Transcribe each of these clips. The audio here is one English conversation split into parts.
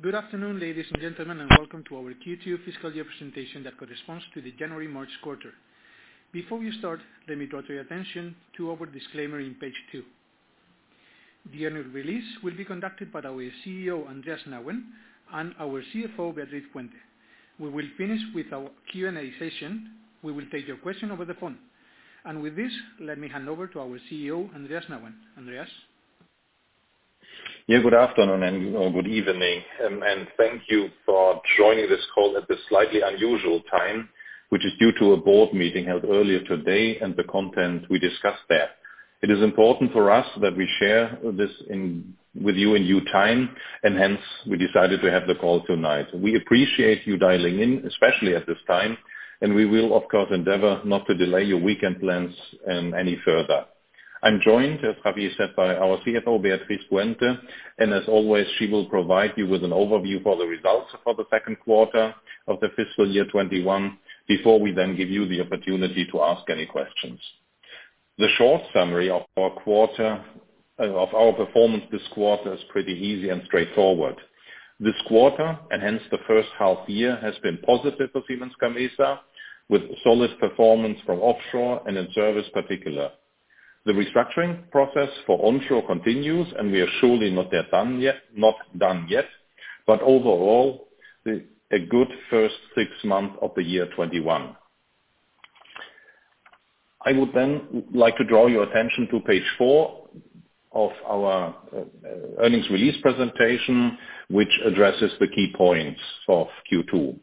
Good afternoon, ladies and gentlemen, welcome to our Q2 fiscal year presentation that corresponds to the January-March quarter. Before we start, let me draw your attention to our disclaimer on page two. The annual release will be conducted by our CEO, Andreas Nauen, and our CFO, Beatriz Puente. We will finish with our Q&A session. We will take your question over the phone. With this, let me hand over to our CEO, Andreas Nauen. Andreas? Good afternoon and good evening, thank you for joining this call at this slightly unusual time, which is due to a Board meeting held earlier today and the content we discussed there. It is important for us that we share this with you in due time, hence, we decided to have the call tonight. We appreciate you dialing in, especially at this time, we will, of course, endeavor not to delay your weekend plans any further. I'm joined, as [Javi] said, by our CFO, Beatriz Puente, as always, she will provide you with an overview for the results for the second quarter of the fiscal year 2021, before we then give you the opportunity to ask any questions. The short summary of our performance this quarter is pretty easy and straightforward. This quarter, and hence the first half-year, has been positive for Siemens Gamesa, with solid performance from offshore and in service particular. The restructuring process for onshore continues, and we are surely not done yet. Overall, a good first six months of the year 2021. I would like to draw your attention to page four of our earnings release presentation, which addresses the key points of Q2.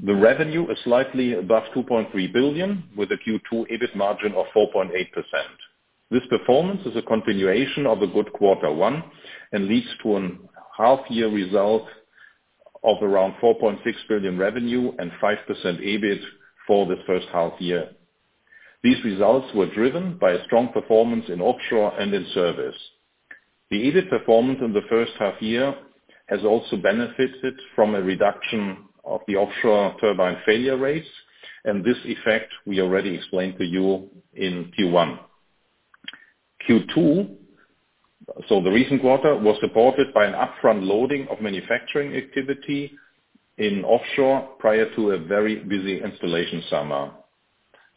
The revenue is slightly above 2.3 billion, with a Q2 EBIT margin of 4.8%. This performance is a continuation of the good quarter one and leads to a half-year result of around 4.6 billion revenue and 5% EBIT for the first half year. These results were driven by a strong performance in offshore and in service. The EBIT performance in the first half year has also benefited from a reduction of the offshore turbine failure rates, and this effect we already explained to you in Q1. Q2, the recent quarter, was supported by an upfront loading of manufacturing activity in offshore, prior to a very busy installation summer.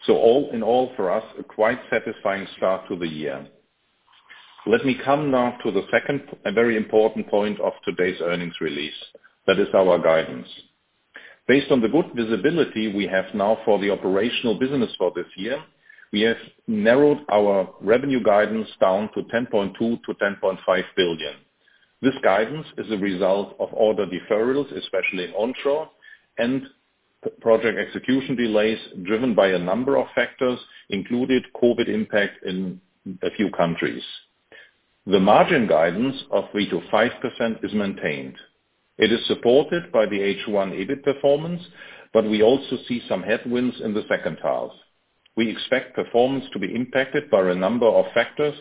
All in all, for us, a quite satisfying start to the year. Let me come now to the second and very important point of today's earnings release. That is our guidance. Based on the good visibility we have now for the operational business for this year, we have narrowed our revenue guidance down to 10.2 billion-10.5 billion. This guidance is a result of order deferrals, especially in onshore, and project execution delays driven by a number of factors, including COVID impact in a few countries. The margin guidance of 3%-5% is maintained. It is supported by the H1 EBIT performance, but we also see some headwinds in the second half. We expect performance to be impacted by a number of factors,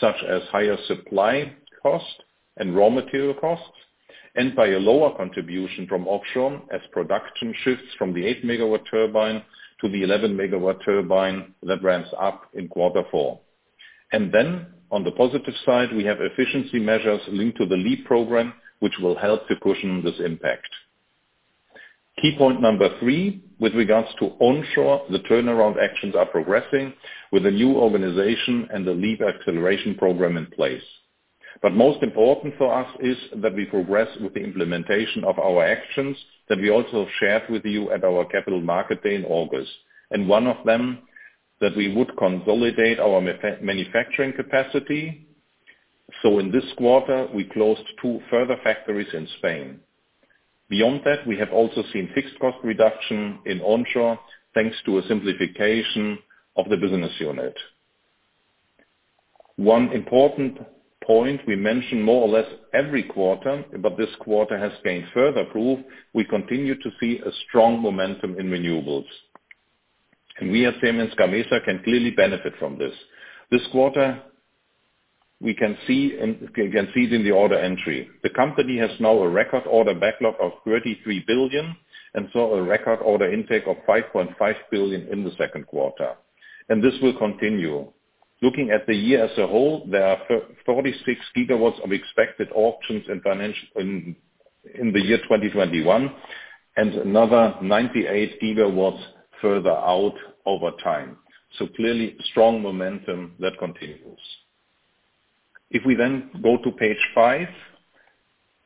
such as higher supply cost and raw material costs, and by a lower contribution from offshore as production shifts from the 8 MW turbine to the 11 MW turbine that ramps up in quarter four. On the positive side, we have efficiency measures linked to the LEAP program, which will help to cushion this impact. Key point number three, with regards to onshore, the turnaround actions are progressing with the new organization and the LEAP acceleration program in place. Most important for us is that we progress with the implementation of our actions that we also shared with you at our Capital Market Day in August. One of them, that we would consolidate our manufacturing capacity. In this quarter, we closed two further factories in Spain. Beyond that, we have also seen fixed cost reduction in onshore, thanks to a simplification of the business unit. One important point we mention more or less every quarter, but this quarter has gained further proof, we continue to see a strong momentum in renewables. We at Siemens Gamesa can clearly benefit from this. This quarter, we can see it in the order entry. The company has now a record order backlog of 33 billion and saw a record order intake of 5.5 billion in the second quarter. This will continue. Looking at the year as a whole, there are 46 GW of expected auctions in the year 2021 and another 98 GW further out over time. Clearly, strong momentum that continues. If we go to page five,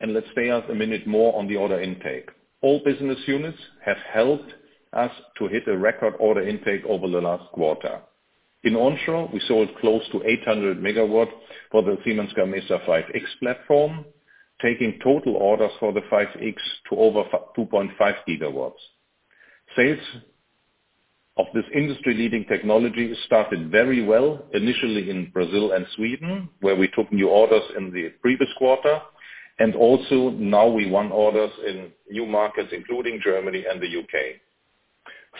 let's stay just a minute more on the order intake. All business units have helped us to hit a record order intake over the last quarter. In onshore, we sold close to 800 MW for the Siemens Gamesa 5.X platform, taking total orders for the 5.X to over 2.5 GW. Sales of this industry-leading technology started very well, initially in Brazil and Sweden, where we took new orders in the previous quarter. Also now we won orders in new markets, including Germany and the U.K.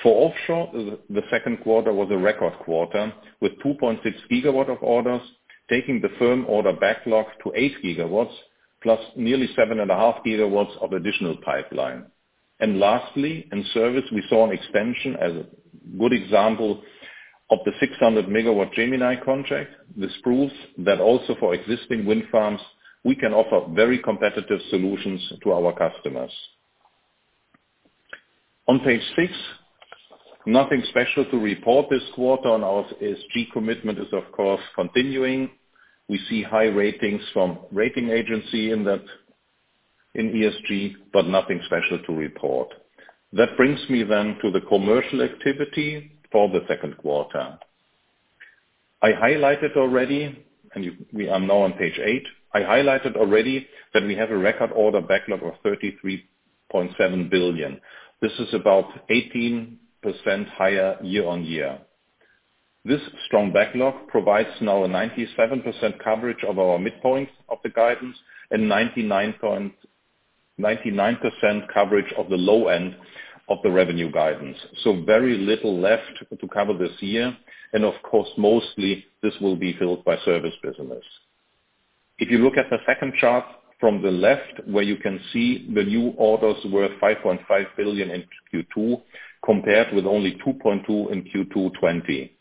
For offshore, the second quarter was a record quarter with 2.6 GW of orders, taking the firm order backlog to 8 GW, plus nearly 7.5 GW of additional pipeline. Lastly, in service, we saw an expansion, as a good example of the 600 MW Gemini contract. This proves that also for existing wind farms, we can offer very competitive solutions to our customers. On page six, nothing special to report this quarter on our ESG commitment is, of course, continuing. We see high ratings from rating agency in ESG, nothing special to report. This brings me then to the commercial activity for the second quarter. I highlighted already, we are now on page eight. I highlighted already that we have a record order backlog of 33.7 billion. This is about 18% higher year-on-year. This strong backlog provides now a 97% coverage of our midpoints of the guidance and 99% coverage of the low end of the revenue guidance. Very little left to cover this year. Of course, mostly this will be filled by service business. If you look at the second chart from the left, where you can see the new orders worth 5.5 billion in Q2, compared with only 2.2 billion in Q2 '20.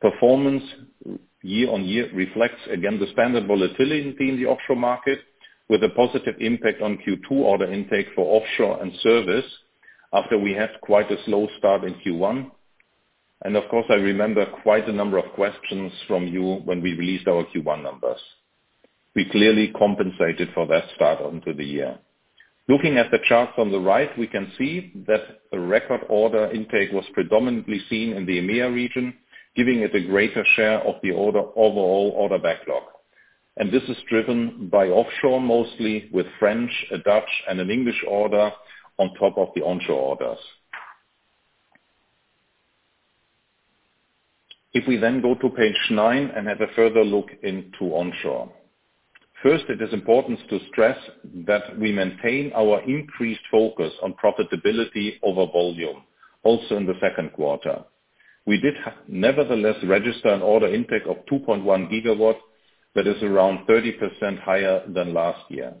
Performance year-on-year reflects again the standard volatility in the offshore market, with a positive impact on Q2 order intake for offshore and service after we had quite a slow start in Q1. Of course, I remember quite a number of questions from you when we released our Q1 numbers. We clearly compensated for that start onto the year. Looking at the chart on the right, we can see that the record order intake was predominantly seen in the EMEA region, giving it a greater share of the overall order backlog. This is driven by offshore, mostly with French, Dutch, and an English order on top of the onshore orders. If we then go to page nine and have a further look into onshore. First, it is important to stress that we maintain our increased focus on profitability over volume, also in the second quarter. We did, nevertheless, register an order intake of 2.1 GW, that is around 30% higher than last year.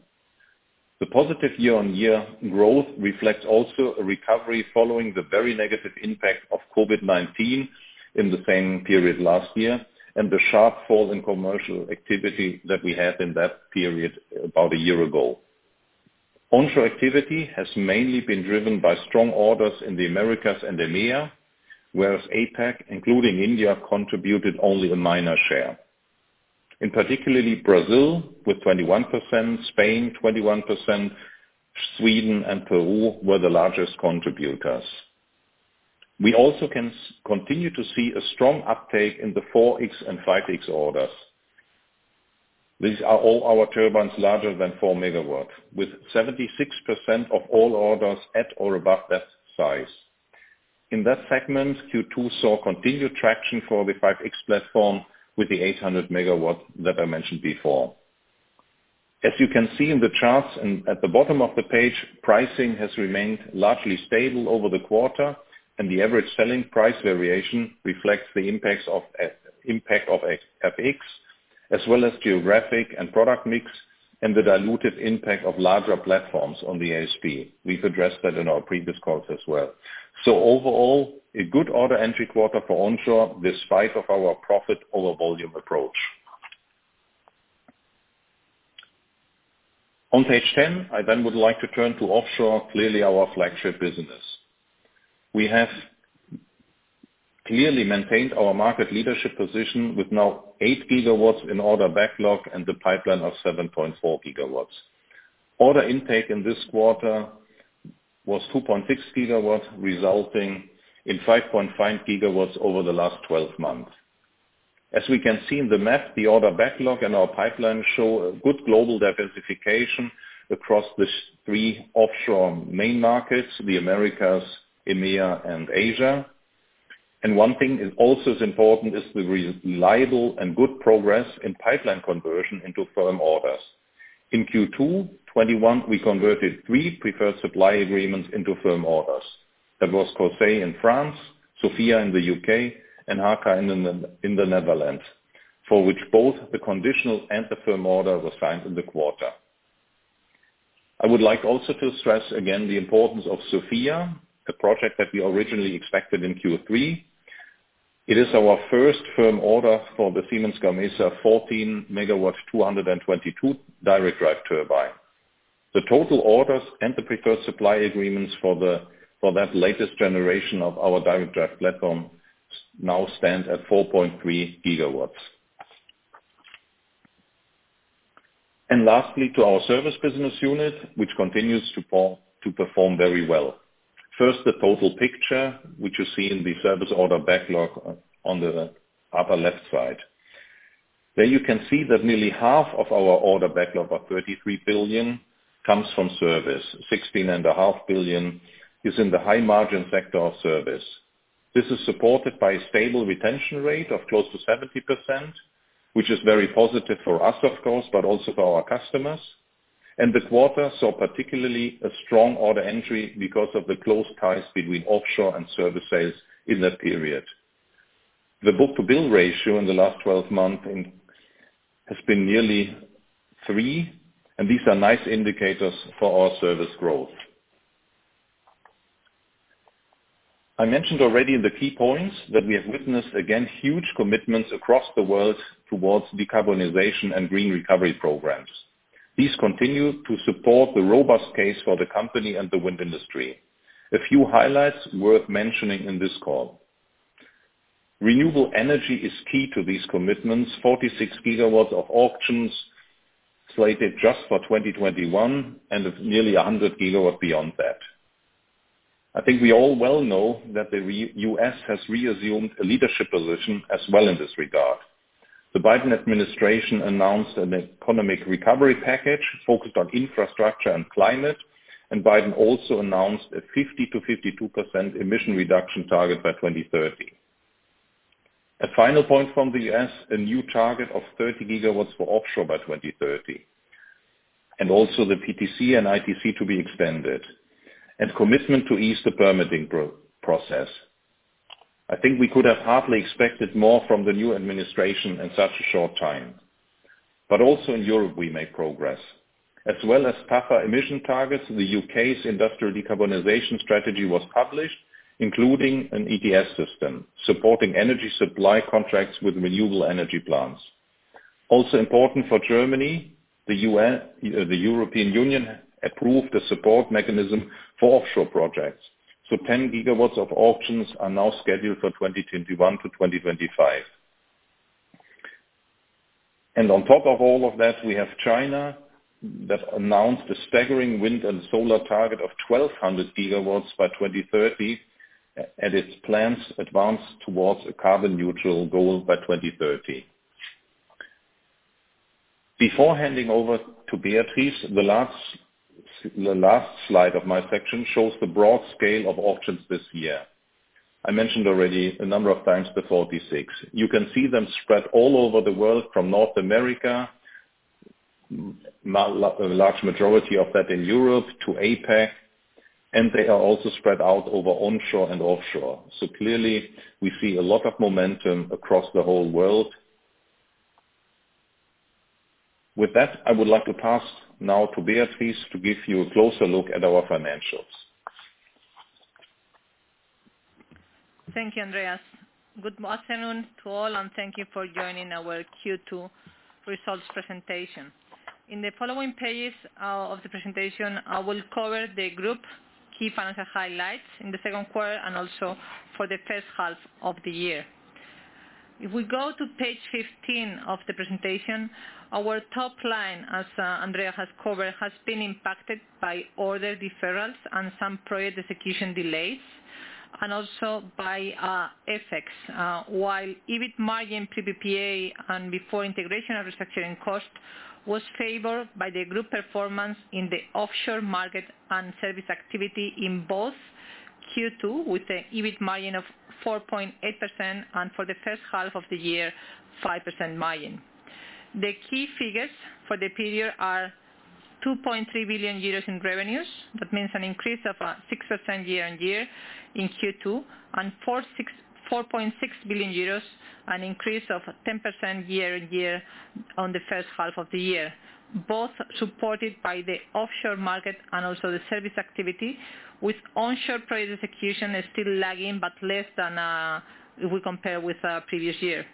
The positive year-on-year growth reflects also a recovery following the very negative impact of COVID-19 in the same period last year, and the sharp fall in commercial activity that we had in that period about a year ago. Onshore activity has mainly been driven by strong orders in the Americas and EMEA, whereas APAC, including India, contributed only a minor share. In particularly Brazil with 21%, Spain 21%, Sweden and Peru were the largest contributors. We also can continue to see a strong uptake in the 4.X and 5.X orders. These are all our turbines larger than 4 MW, with 76% of all orders at or above that size. In that segment, Q2 saw continued traction for the 5.X platform with the 800 MW that I mentioned before. As you can see in the charts and at the bottom of the page, pricing has remained largely stable over the quarter. The average selling price variation reflects the impact of FX as well as geographic and product mix, and the diluted impact of larger platforms on the ASP. We've addressed that in our previous calls as well. Overall, a good order entry quarter for onshore despite of our profit over volume approach. On page 10, I would like to turn to offshore, clearly our flagship business. We have clearly maintained our market leadership position with now 8 GW in order backlog and the pipeline of 7.4 GW. Order intake in this quarter was 2.6 GW, resulting in 5.5 GW over the last 12 months. As we can see in the map, the order backlog and our pipeline show a good global diversification across the three offshore main markets, the Americas, EMEA, and Asia. One thing is also as important is the reliable and good progress in pipeline conversion into firm orders. In Q2 2021, we converted three preferred supply agreements into firm orders. That was Courseulles in France, Sofia in the U.K., and HKN in the Netherlands, for which both the conditional and the firm order was signed in the quarter. I would like also to stress again the importance of Sofia, a project that we originally expected in Q3. It is our first firm order for the Siemens Gamesa 14 MW 222 direct drive turbine. The total orders and the preferred supply agreements for that latest generation of our direct drive platform now stands at 4.3 GW. Lastly, to our service business unit, which continues to perform very well. First, the total picture, which you see in the service order backlog on the upper left side. There you can see that nearly half of our order backlog of 33 billion comes from service. 16.5 billion is in the high margin sector of service. This is supported by a stable retention rate of close to 70%, which is very positive for us, of course, but also for our customers. The quarter saw particularly a strong order entry because of the close ties between offshore and service sales in that period. The book-to-bill ratio in the last 12 months has been nearly three. These are nice indicators for our service growth. I mentioned already in the key points that we have witnessed, again, huge commitments across the world towards decarbonization and green recovery programs. These continue to support the robust case for the company and the wind industry. A few highlights worth mentioning in this call. Renewable energy is key to these commitments. 46 GW of auctions slated just for 2021, and nearly 100 GW beyond that. I think we all well know that the U.S. has reassumed a leadership position as well in this regard. The Biden administration announced an economic recovery package focused on infrastructure and climate. Biden also announced a 50%-52% emission reduction target by 2030. A final point from the U.S., a new target of 30 GW for offshore by 2030, and also the PTC and ITC to be extended, and commitment to ease the permitting process. I think we could have hardly expected more from the new administration in such a short time. Also in Europe, we made progress. As well as tougher emission targets, the U.K.'s industrial decarbonization strategy was published, including an ETS system supporting energy supply contracts with renewable energy plants. Also important for Germany, the European Union approved a support mechanism for offshore projects. 10 GW of auctions are now scheduled for 2021-2025. On top of all of that, we have China, that announced a staggering wind and solar target of 1,200 GW by 2030, and its plans advance towards a carbon neutral goal by 2030. Before handing over to Beatriz, the last slide of my section shows the broad scale of auctions this year. I mentioned already a number of times the 46. You can see them spread all over the world from North America, a large majority of that in Europe, to APAC, and they are also spread out over onshore and offshore. Clearly, we see a lot of momentum across the whole world. With that, I would like to pass now to Beatriz to give you a closer look at our financials. Thank you, Andreas. Good afternoon to all, and thank you for joining our Q2 results presentation. In the following pages of the presentation, I will cover the group key financial highlights in the second quarter and also for the first half of the year. If we go to page 15 of the presentation, our top line, as Andreas has covered, has been impacted by order deferrals and some project execution delays, and also by FX. While EBIT margin pre-PPA and before integration and restructuring cost was favored by the group performance in the offshore market and service activity in both Q2 with an EBIT margin of 4.8%, and for the first half of the year, 5% margin. The key figures for the period are 2.3 billion euros in revenues. That means an increase of 6% year-on-year in Q2, and 4.6 billion euros, an increase of 10% year-on-year on the first half of the year, both supported by the offshore market and also the service activity, with onshore project execution is still lagging, but less than if we compare with previous year.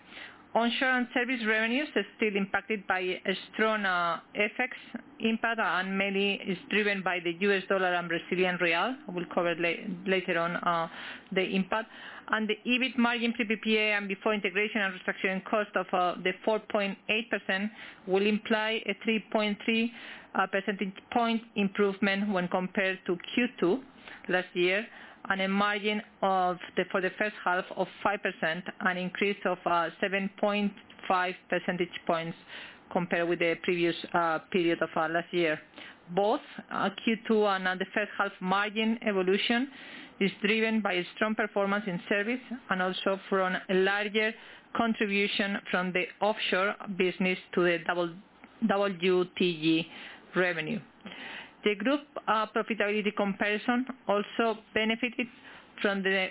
onshore and service revenues are still impacted by a strong FX impact. Mainly is driven by the U.S. dollar and Brazilian real. We'll cover later on the impact. The EBIT margin pre-PPA and before integration and restructuring cost of the 4.8% will imply a 3.3 percentage point improvement when compared to Q2 last year, and a margin for the first half of 5%, an increase of 7.5 percentage points compared with the previous period of last year. Both Q2 and the first half margin evolution is driven by a strong performance in service and also from a larger contribution from the offshore business to the WTG revenue. The group profitability comparison also benefited from the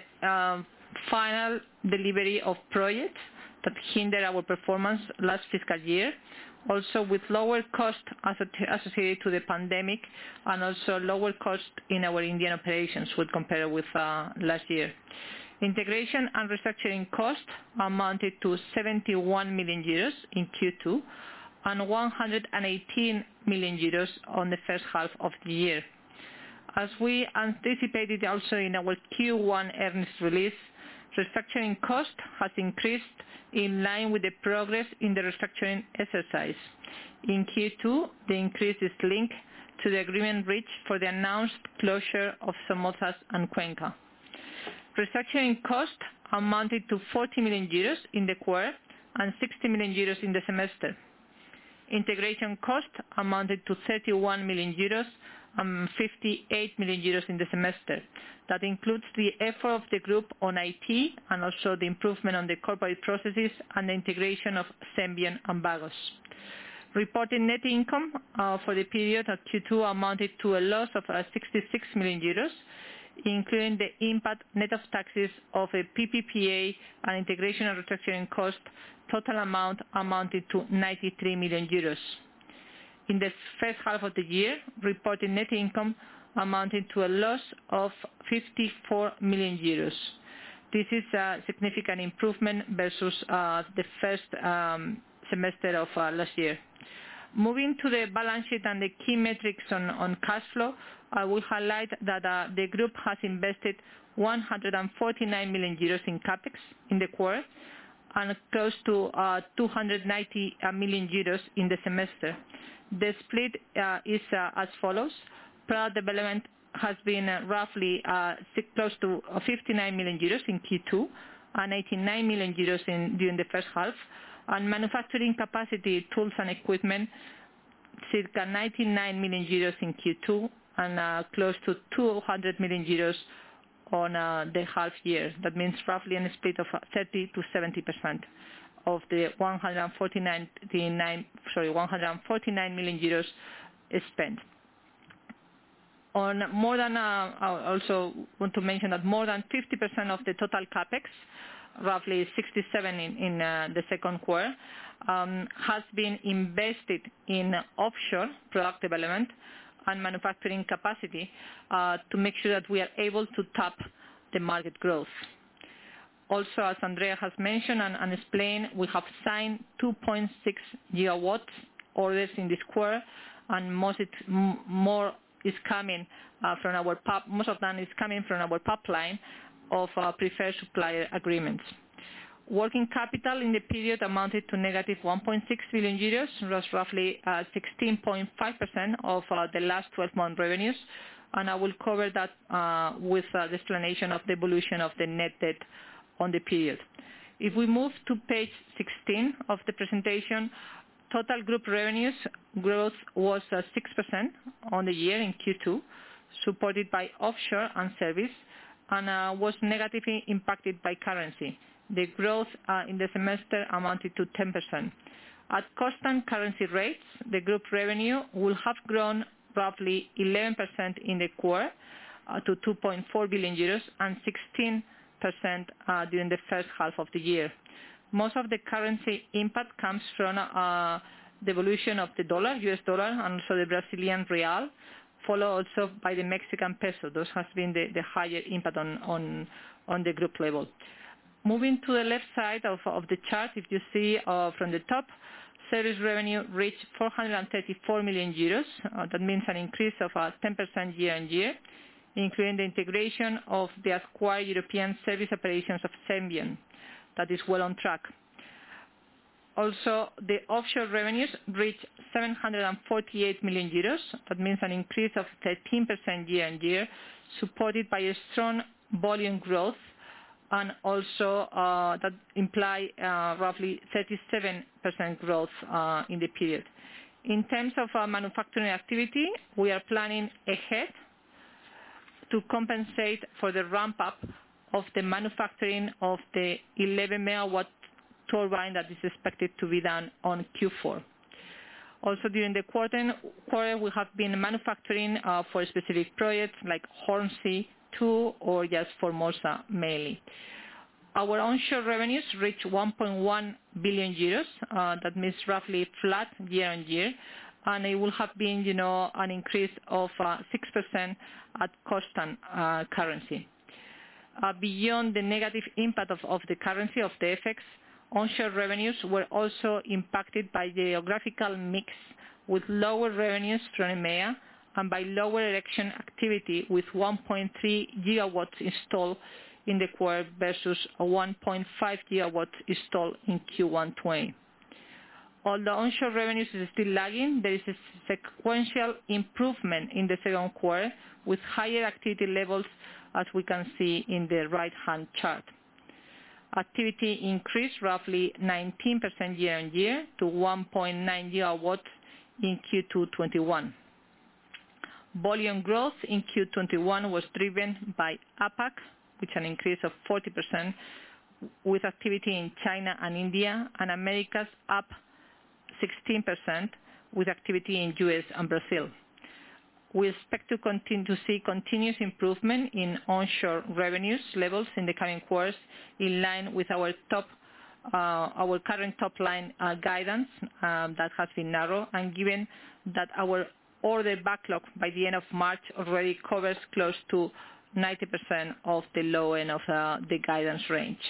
final delivery of projects that hindered our performance last fiscal year. Also with lower cost associated to the pandemic and also lower cost in our Indian operations would compare with last year. Integration and restructuring costs amounted to 71 million euros in Q2 and 118 million euros on the first half of the year. As we anticipated also in our Q1 earnings release, restructuring cost has increased in line with the progress in the restructuring exercise. In Q2, the increase is linked to the agreement reached for the announced closure of Somozas and Cuenca. Restructuring costs amounted to 40 million euros in the quarter and 60 million euros in the semester. Integration costs amounted to 31 million euros and 58 million euros in the semester. That includes the effort of the group on IT and also the improvement on the corporate processes and the integration of Senvion and Vagos. Reported net income for the period of Q2 amounted to a loss of 66 million euros, including the impact net of taxes of a pre-PPA and integration and restructuring cost. Total amount amounted to 93 million euros. In the first half of the year, reported net income amounted to a loss of 54 million euros. This is a significant improvement versus the first semester of last year. Moving to the balance sheet and the key metrics on cash flow, I will highlight that the group has invested 149 million euros in CapEx in the quarter, and close to 290 million euros in the semester. The split is as follows. Product development has been roughly close to 59 million euros in Q2, and 89 million euros during the first half. Manufacturing capacity, tools, and equipment, circa 99 million euros in Q2 and close to 200 million euros on the half year. That means roughly in a split of 30%-70% of the EUR 149 million spent. I also want to mention that more than 50% of the total CapEx, roughly 67 million in the second quarter, has been invested in offshore product development and manufacturing capacity, to make sure that we are able to tap the market growth. Also, as Andreas has mentioned and explained, we have signed 2.6 GW orders in this quarter, and most of them is coming from our pipeline of preferred supplier agreements. Working capital in the period amounted to negative 1.6 billion euros, was roughly 16.5% of the last 12-month revenues, and I will cover that with the explanation of the evolution of the net debt on the period. If we move to page 16 of the presentation, total group revenues growth was 6% on the year in Q2, supported by offshore and service, and was negatively impacted by currency. The growth in the semester amounted to 10%. At constant currency rates, the group revenue will have grown roughly 11% in the quarter to 2.4 billion euros and 16% during the first half of the year. Most of the currency impact comes from the evolution of the U.S. dollar, and also the Brazilian real, followed also by the Mexican peso. Those have been the highest impact on the group level. Moving to the left side of the chart, if you see from the top, service revenue reached 434 million euros. That means an increase of 10% year-on-year, including the integration of the acquired European service operations of Senvion. That is well on track. Also, the offshore revenues reached 748 million euros. That means an increase of 13% year-on-year, supported by a strong volume growth, and also that imply roughly 37% growth in the period. In terms of our manufacturing activity, we are planning ahead to compensate for the ramp-up of the manufacturing of the 11 MW turbine that is expected to be done on Q4. Also, during the quarter, we have been manufacturing for specific projects like Hornsea Two or just Formosa mainly. Our onshore revenues reached 1.1 billion euros. That means roughly flat year-on-year, and it will have been an increase of 6% at constant currency. Beyond the negative impact of the currency of the effects, onshore revenues were also impacted by geographical mix, with lower revenues from EMEA and by lower erection activity with 1.3 GW installed in the quarter versus 1.5 GW installed in Q1 2020. Although onshore revenues is still lagging, there is a sequential improvement in the second quarter with higher activity levels, as we can see in the right-hand chart. Activity increased roughly 19% year-on-year to 1.9 GW in Q2 2021. Volume growth in Q2 2021 was driven by APAC, with an increase of 40%, with activity in China and India, and Americas up 16%, with activity in U.S. and Brazil. We expect to continue to see continuous improvement in onshore revenues levels in the coming quarters, in line with our current top-line guidance that has been narrowed, and given that our order backlog by the end of March already covers close to 90% of the low end of the guidance range.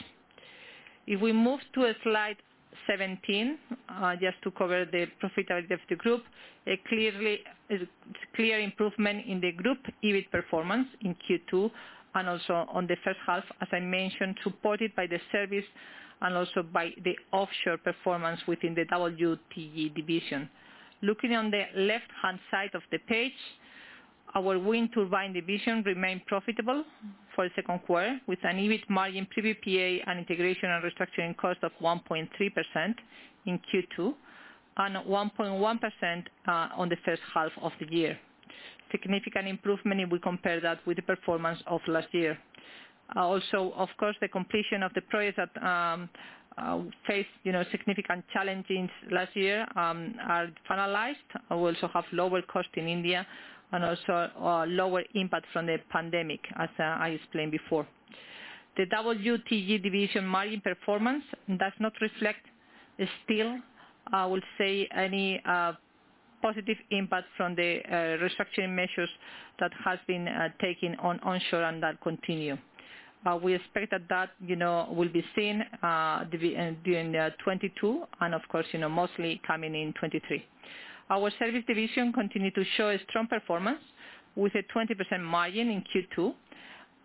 If we move to slide 17, just to cover the profitability of the group, a clear improvement in the group EBIT performance in Q2, and also on the first half, as I mentioned, supported by the service and also by the offshore performance within the WTG division. Looking on the left-hand side of the page, our wind turbine division remained profitable for the second quarter, with an EBIT margin pre-PPA and integration and restructuring cost of 1.3% in Q2, and 1.1% on the first half of the year. Significant improvement if we compare that with the performance of last year. Of course, the completion of the projects that faced significant challenges last year are finalized. We also have lower cost in India and also lower impact from the pandemic, as I explained before. The WTG division margin performance does not reflect still, I will say, any positive impact from the restructuring measures that have been taken on onshore and that continue. We expect that will be seen during 2022, and of course, mostly coming in 2023. Our service division continued to show a strong performance with a 20% margin in Q2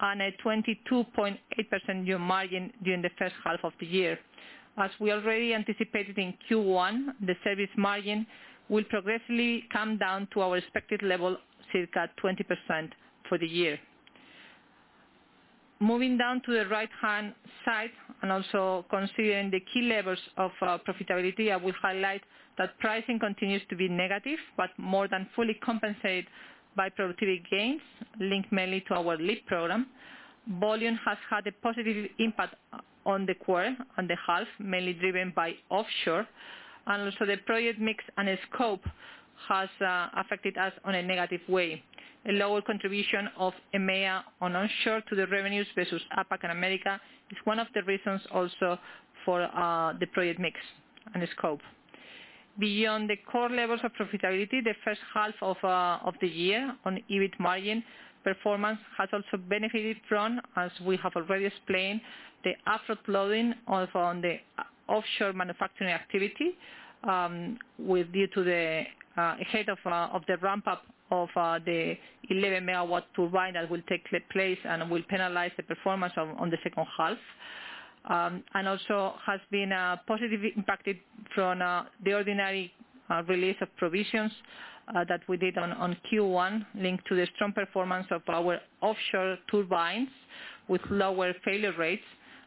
and a 22.8% year margin during the first half of the year. As we already anticipated in Q1, the service margin will progressively come down to our expected level, circa 20%, for the year. Moving down to the right-hand side and also considering the key levels of profitability, I will highlight that pricing continues to be negative, but more than fully compensated by productivity gains linked mainly to our LEAP program. Volume has had a positive impact on the quarter, on the half, mainly driven by offshore. Also the project mix and scope has affected us on a negative way. A lower contribution of EMEA on onshore to the revenues versus APAC and America is one of the reasons also for the project mix and scope. Beyond the core levels of profitability, the first half of the year on EBIT margin performance has also benefited from, as we have already explained, the effort loading on the offshore manufacturing activity with view to the head of the ramp-up of the 11 MW turbine that will take place and will penalize the performance on the second half. Also has been positively impacted from the ordinary release of provisions that we did on Q1 linked to the strong performance of our offshore turbines with lower failure rates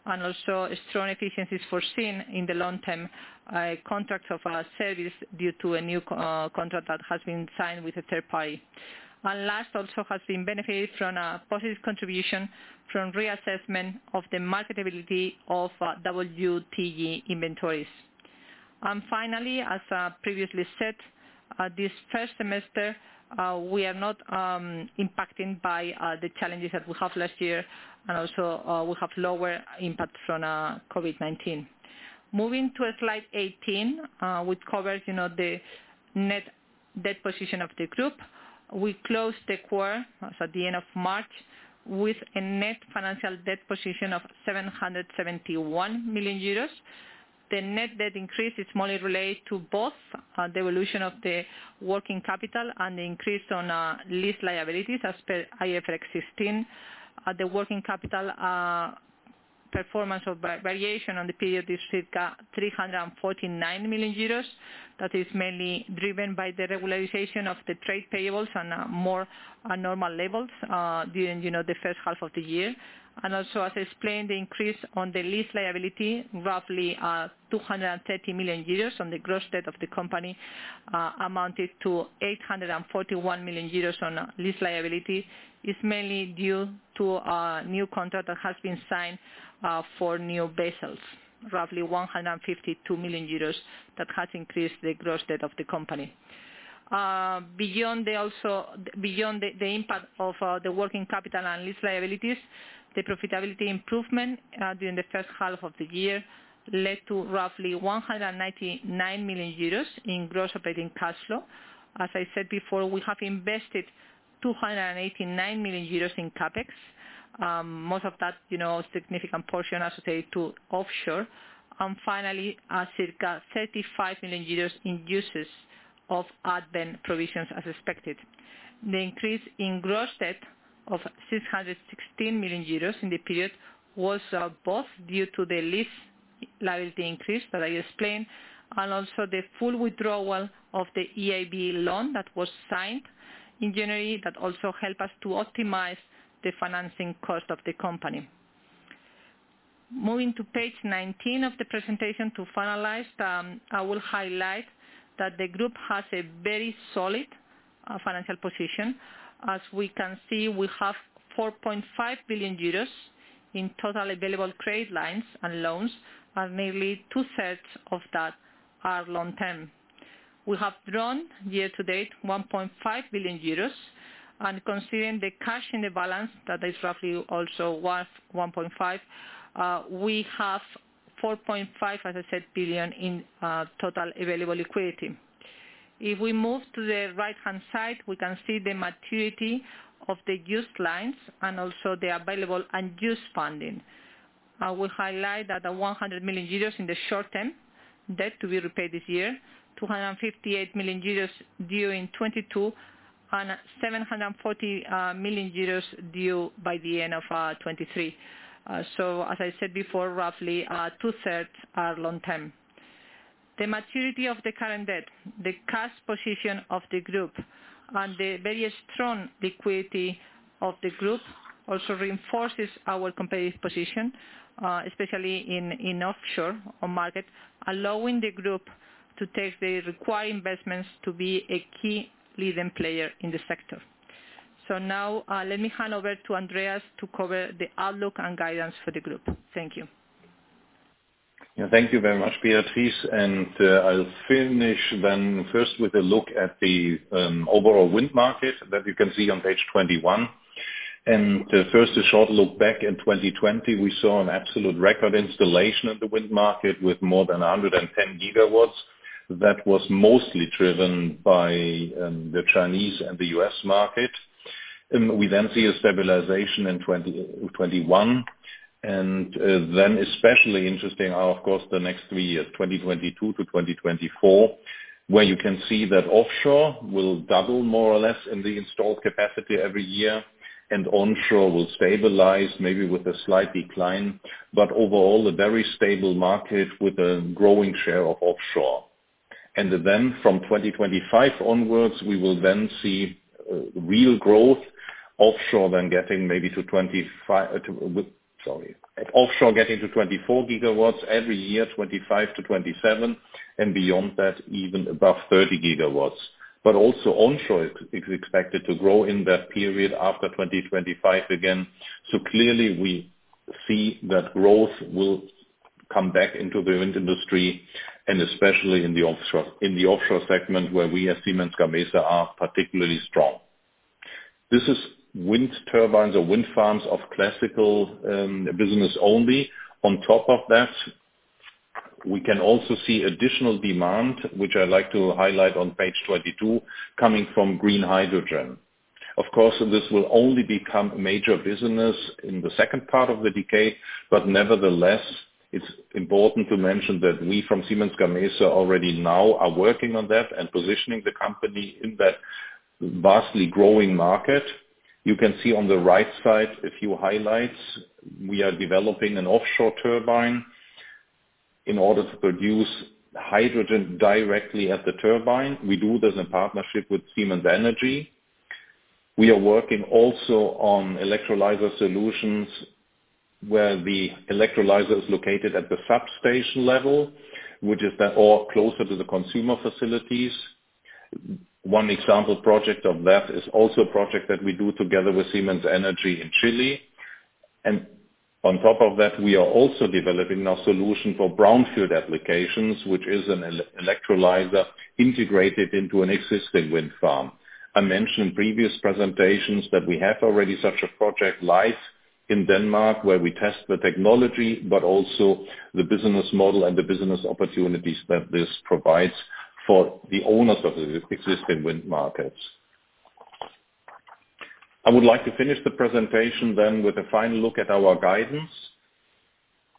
and also strong efficiencies foreseen in the long-term contracts of our service due to a new contract that has been signed with a third party. Last also has been benefited from a positive contribution from reassessment of the marketability of WTG inventories. Finally, as previously said, this first semester, we are not impacted by the challenges that we had last year, and also we have lower impact from COVID-19. Moving to slide 18, which covers the net debt position of the group. We closed the quarter at the end of March with a net financial debt position of 771 million euros. The net debt increase is mainly related to both the evolution of the working capital and the increase on lease liabilities as per IFRS 16. The working capital performance or variation on the period is circa 349 million euros. That is mainly driven by the regularization of the trade payables on more normal levels during the first half of the year. Also, as explained, the increase on the lease liability, roughly 230 million euros on the gross debt of the company, amounted to 841 million euros on lease liability. It's mainly due to a new contract that has been signed for new vessels, roughly 152 million euros that has increased the gross debt of the company. Beyond the impact of the working capital and lease liabilities, the profitability improvement during the first half of the year led to roughly 199 million euros in gross operating cash flow. As I said before, we have invested 289 million euros in CapEx, most of that, a significant portion associated to offshore. Finally, circa 35 million euros in uses of onerous provisions as expected. The increase in gross debt of 616 million euros in the period was both due to the lease liability increase that I explained and also the full withdrawal of the EIB loan that was signed in January that also help us to optimize the financing cost of the company. Moving to page 19 of the presentation to finalize, I will highlight that the group has a very solid financial position. As we can see, we have 4.5 billion euros in total available credit lines and loans, and nearly 2/3 of that are long-term. We have drawn year to date 1.5 billion euros. Considering the cash in the balance that is roughly also worth 1.5 billion, we have 4.5 billion, as I said, billion in total available liquidity. If we move to the right-hand side, we can see the maturity of the used lines and also the available and used funding. I will highlight that the 100 million euros in the short-term debt to be repaid this year, 258 million euros due in 2022, and 740 million euros due by the end of 2023. As I said before, roughly 2/3 are long-term. The maturity of the current debt, the cash position of the group, and the very strong liquidity of the group also reinforces our competitive position, especially in offshore market, allowing the group to take the required investments to be a key leading player in the sector. Now, let me hand over to Andreas to cover the outlook and guidance for the group. Thank you. Thank you very much, Beatriz. I'll finish first with a look at the overall wind market that you can see on page 21. First, a short look back in 2020, we saw an absolute record installation in the wind market with more than 110 GW. That was mostly driven by the Chinese and the U.S. market. We see a stabilization in 2021, especially interesting are of course the next three years, 2022-2024, where you can see that offshore will double more or less in the installed capacity every year, and onshore will stabilize maybe with a slight decline. Overall, a very stable market with a growing share of offshore. From 2025 onwards, we will see real growth offshore. Offshore getting to 24 GW every year, 25 GW-27 GW, and beyond that, even above 30 GW. Also onshore is expected to grow in that period after 2025 again. Clearly we see that growth will come back into the wind industry and especially in the offshore segment where we at Siemens Gamesa are particularly strong. This is wind turbines or wind farms of classical business only. On top of that, we can also see additional demand, which I'd like to highlight on page 22, coming from green hydrogen. Of course, this will only become a major business in the second part of the decade, but nevertheless, it's important to mention that we from Siemens Gamesa already now are working on that and positioning the company in that vastly growing market. You can see on the right side a few highlights. We are developing an offshore turbine in order to produce hydrogen directly at the turbine. We do this in partnership with Siemens Energy. We are working also on electrolyzer solutions where the electrolyzer is located at the substation level, which is all closer to the consumer facilities. One example project of that is also a project that we do together with Siemens Energy in Chile. On top of that, we are also developing a solution for brownfield applications, which is an electrolyzer integrated into an existing wind farm. I mentioned previous presentations that we have already such a project live in Denmark where we test the technology, but also the business model and the business opportunities that this provides for the owners of the existing wind markets. I would like to finish the presentation then with a final look at our guidance.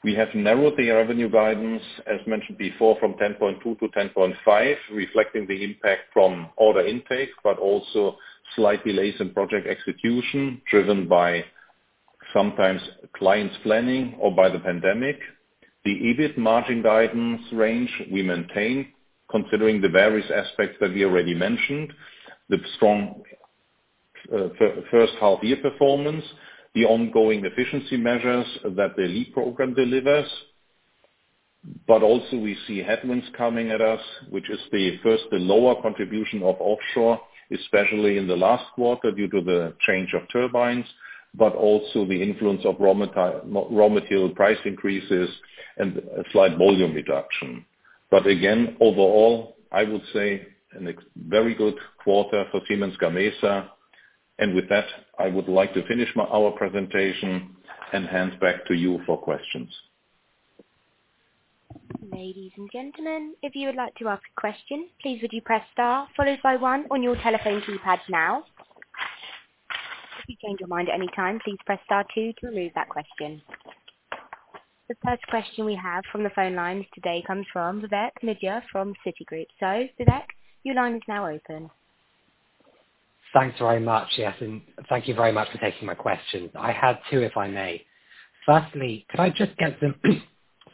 We have narrowed the revenue guidance, as mentioned before, from 10.2 billion-10.5 billion, reflecting the impact from order intake, but also slight delays in project execution, driven by sometimes clients planning or by the pandemic. The EBIT margin guidance range we maintain considering the various aspects that we already mentioned, the strong first half-year performance, the ongoing efficiency measures that the LEAP program delivers. Also we see headwinds coming at us, which is first the lower contribution of offshore, especially in the last quarter, due to the change of turbines, but also the influence of raw material price increases and a slight volume reduction. Again, overall, I would say a very good quarter for Siemens Gamesa. With that, I would like to finish our presentation and hand back to you for questions. Ladies and gentlemen, if you would like to ask a question, please press star followed by one on your telephone keypad now. If you change your mind anytime, please press star two to remove that question. The first question we have from the phone lines today comes from Vivek Midha from Citigroup. Vivek, your line is now open. Thanks very much. Yes, thank you very much for taking my questions. I have two, if I may. Firstly, could I just get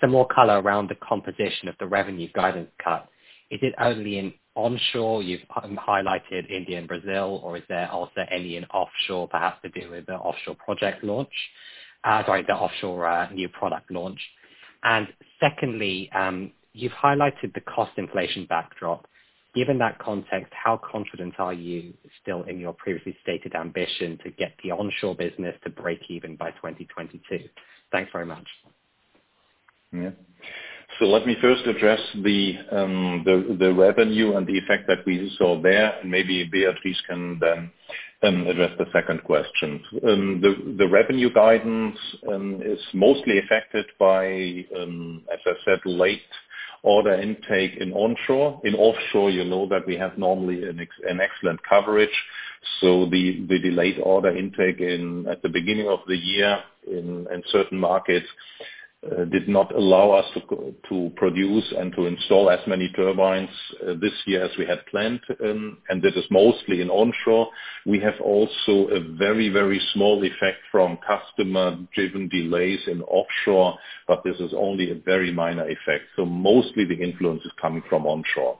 some more color around the composition of the revenue guidance cut? Is it only in onshore, you've highlighted India and Brazil, or is there also any in offshore perhaps to do with the offshore project launch? Sorry, the offshore new product launch. Secondly, you've highlighted the cost inflation backdrop. Given that context, how confident are you still in your previously stated ambition to get the onshore business to break even by 2022? Thanks very much. Yeah. Let me first address the revenue and the effect that we saw there, and maybe Beatriz can then address the second question. The revenue guidance is mostly affected by, as I said, late order intake in onshore. In offshore, you know that we have normally an excellent coverage. The delayed order intake at the beginning of the year in certain markets, did not allow us to produce and to install as many turbines this year as we had planned. This is mostly in onshore. We have also a very small effect from customer-driven delays in offshore, but this is only a very minor effect. Mostly the influence is coming from onshore.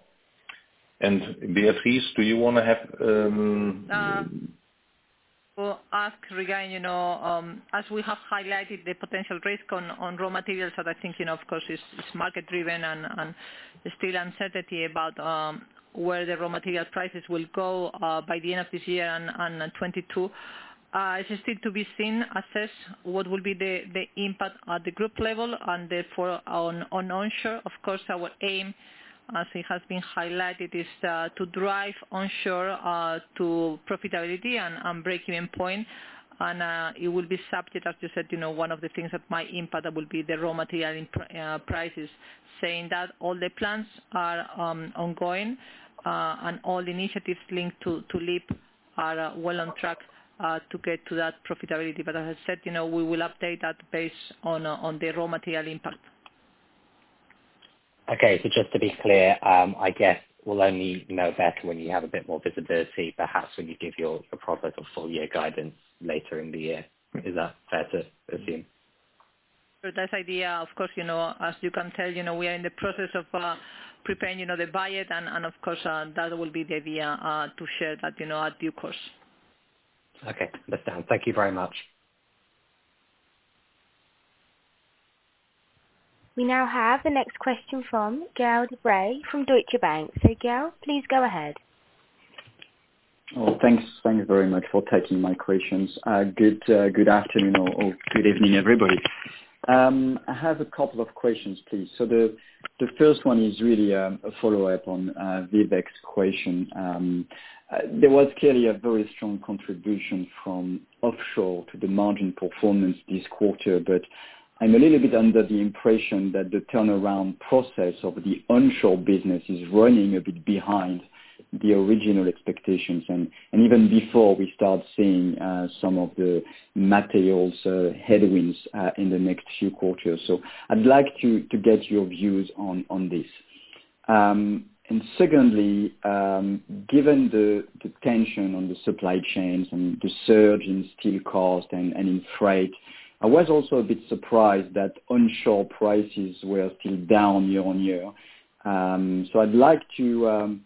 Beatriz, do you want to have- Well, as we have highlighted the potential risk on raw materials that I think of course is market driven and there's still uncertainty about where the raw material prices will go by the end of this year and 2022. It just need to be seen, assess what will be the impact at the group level and therefore on onshore. Of course, our aim, as it has been highlighted, is to drive onshore to profitability and breakeven point. It will be subject, as you said, one of the things that might impact that will be the raw material prices. Saying that, all the plans are ongoing, and all initiatives linked to LEAP are well on track to get to that profitability. As I said, we will update that based on the raw material impact. Okay. Just to be clear, I guess we'll only know better when you have a bit more visibility, perhaps when you give your progress of full year guidance later in the year. Is that fair to assume? That's idea. Of course, as you can tell, we are in the process of preparing the budget, and of course, that will be the idea to share that at due course. Okay. Understand. Thank you very much. We now have the next question from Gael de-Bray from Deutsche Bank. Gael, please go ahead. Thanks very much for taking my questions. Good afternoon or good evening, everybody. I have a couple of questions, please. The first one is really a follow-up on Vivek's question. There was clearly a very strong contribution from offshore to the margin performance this quarter, but I'm a little bit under the impression that the turnaround process of the onshore business is running a bit behind the original expectations, and even before we start seeing some of the materials headwinds in the next few quarters. I'd like to get your views on this. Secondly, given the tension on the supply chains and the surge in steel cost and in freight, I was also a bit surprised that onshore prices were still down year-on-year. I'd like to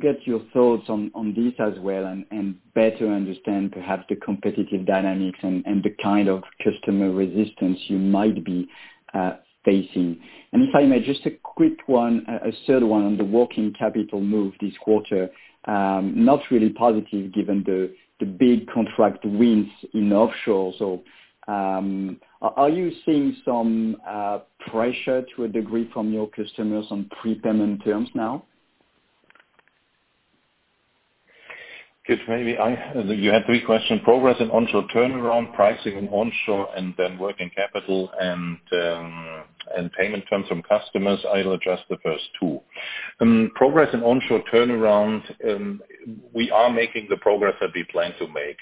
get your thoughts on this as well, and better understand perhaps the competitive dynamics and the kind of customer resistance you might be facing. If I may, just a quick one, a third one on the working capital move this quarter. Not really positive given the big contract wins in offshore. Are you seeing some pressure to a degree from your customers on prepayment terms now? Good. You had three questions. Progress in onshore turnaround, pricing in onshore, and then working capital and payment terms from customers. I'll address the first two. Progress in onshore turnaround, we are making the progress that we plan to make.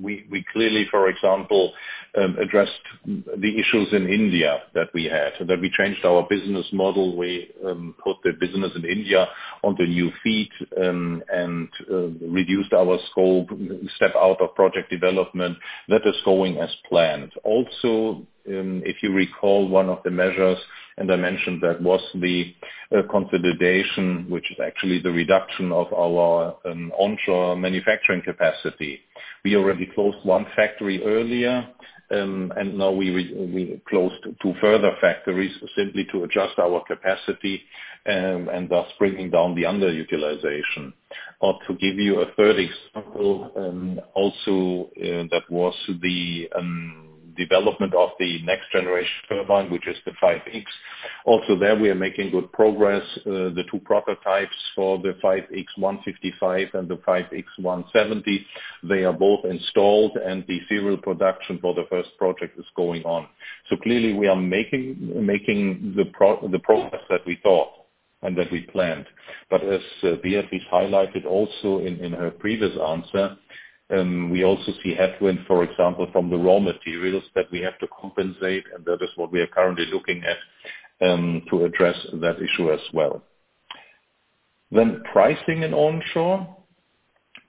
We clearly, for example, addressed the issues in India that we had. That we changed our business model. We put the business in India on the new feet, and reduced our scope, step out of project development. That is going as planned. Also, if you recall, one of the measures, and I mentioned that was the consolidation, which is actually the reduction of our onshore manufacturing capacity. We already closed one factory earlier, and now we closed two further factories simply to adjust our capacity, and thus bringing down the underutilization. To give you a third example, also that was the development of the next generation turbine, which is the 5.X. There we are making good progress. The two prototypes for the 5.X 155 and the 5.X 170, they are both installed, and the serial production for the first project is going on. Clearly we are making the progress that we thought and that we planned. As Beatriz highlighted also in her previous answer, we also see headwinds, for example, from the raw materials that we have to compensate, and that is what we are currently looking at to address that issue as well. Pricing in onshore.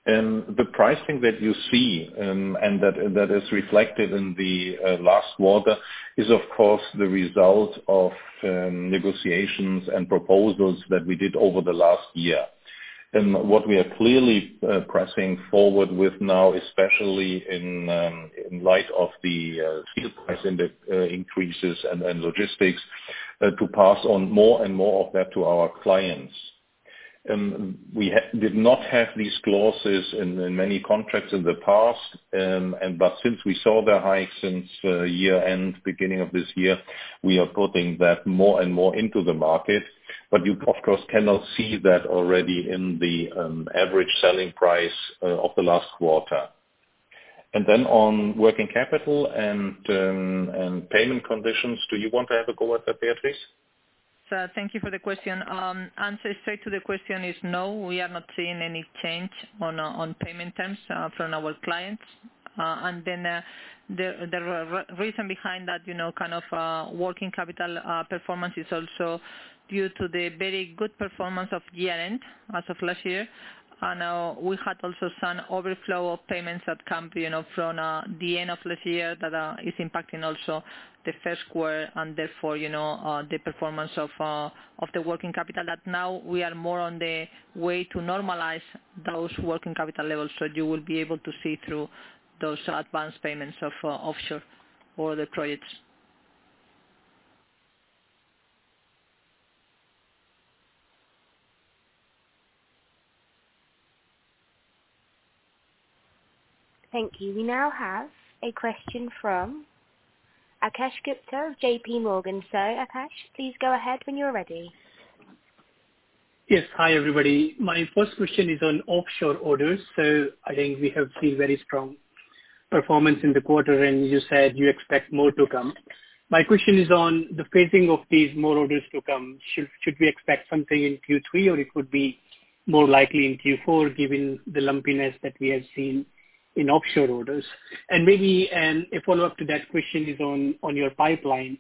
The pricing that you see and that is reflected in the last quarter is, of course, the result of negotiations and proposals that we did over the last year. What we are clearly pressing forward with now, especially in light of the steel price increases and logistics, to pass on more and more of that to our clients. We did not have these clauses in many contracts in the past. Since we saw the hike since year-end, beginning of this year, we are putting that more and more into the market. You, of course, cannot see that already in the average selling price of the last quarter. Then on working capital and payment conditions. Do you want to have a go at that, Beatriz? Thank you for the question. Answer straight to the question is no, we are not seeing any change on payment terms from our clients. The reason behind that kind of working capital performance is also due to the very good performance of year-end as of last year. We had also some overflow of payments that come from the end of last year that is impacting also the first quarter and therefore, the performance of the working capital. Now we are more on the way to normalize those working capital levels, so you will be able to see through those advanced payments of offshore for the credits. Thank you. We now have a question from Akash Gupta of JPMorgan. Akash, please go ahead when you're ready. Yes. Hi, everybody. My first question is on offshore orders. I think we have seen very strong performance in the quarter, and you said you expect more to come. My question is on the phasing of these more orders to come. Should we expect something in Q3, or it could be more likely in Q4 given the lumpiness that we have seen in offshore orders? Maybe a follow-up to that question is on your pipeline.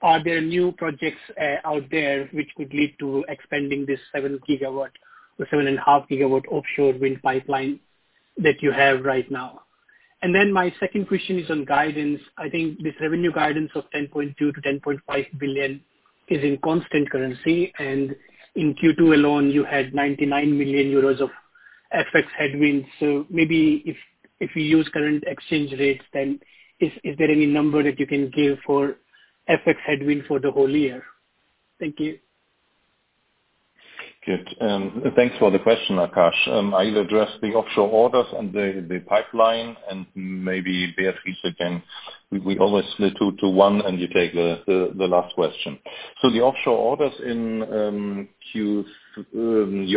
Are there new projects out there which could lead to expanding this 7 GW or 7.5 GW offshore wind pipeline that you have right now? My second question is on guidance. I think this revenue guidance of 10.2 billion-10.5 billion is in constant currency, and in Q2 alone, you had 99 million euros of FX headwinds. Maybe if we use current exchange rates, is there any number that you can give for FX headwind for the whole year? Thank you. Thanks for the question, Akash. I'll address the offshore orders and the pipeline, and maybe Beatriz again, we always split two to one, and you take the last question. You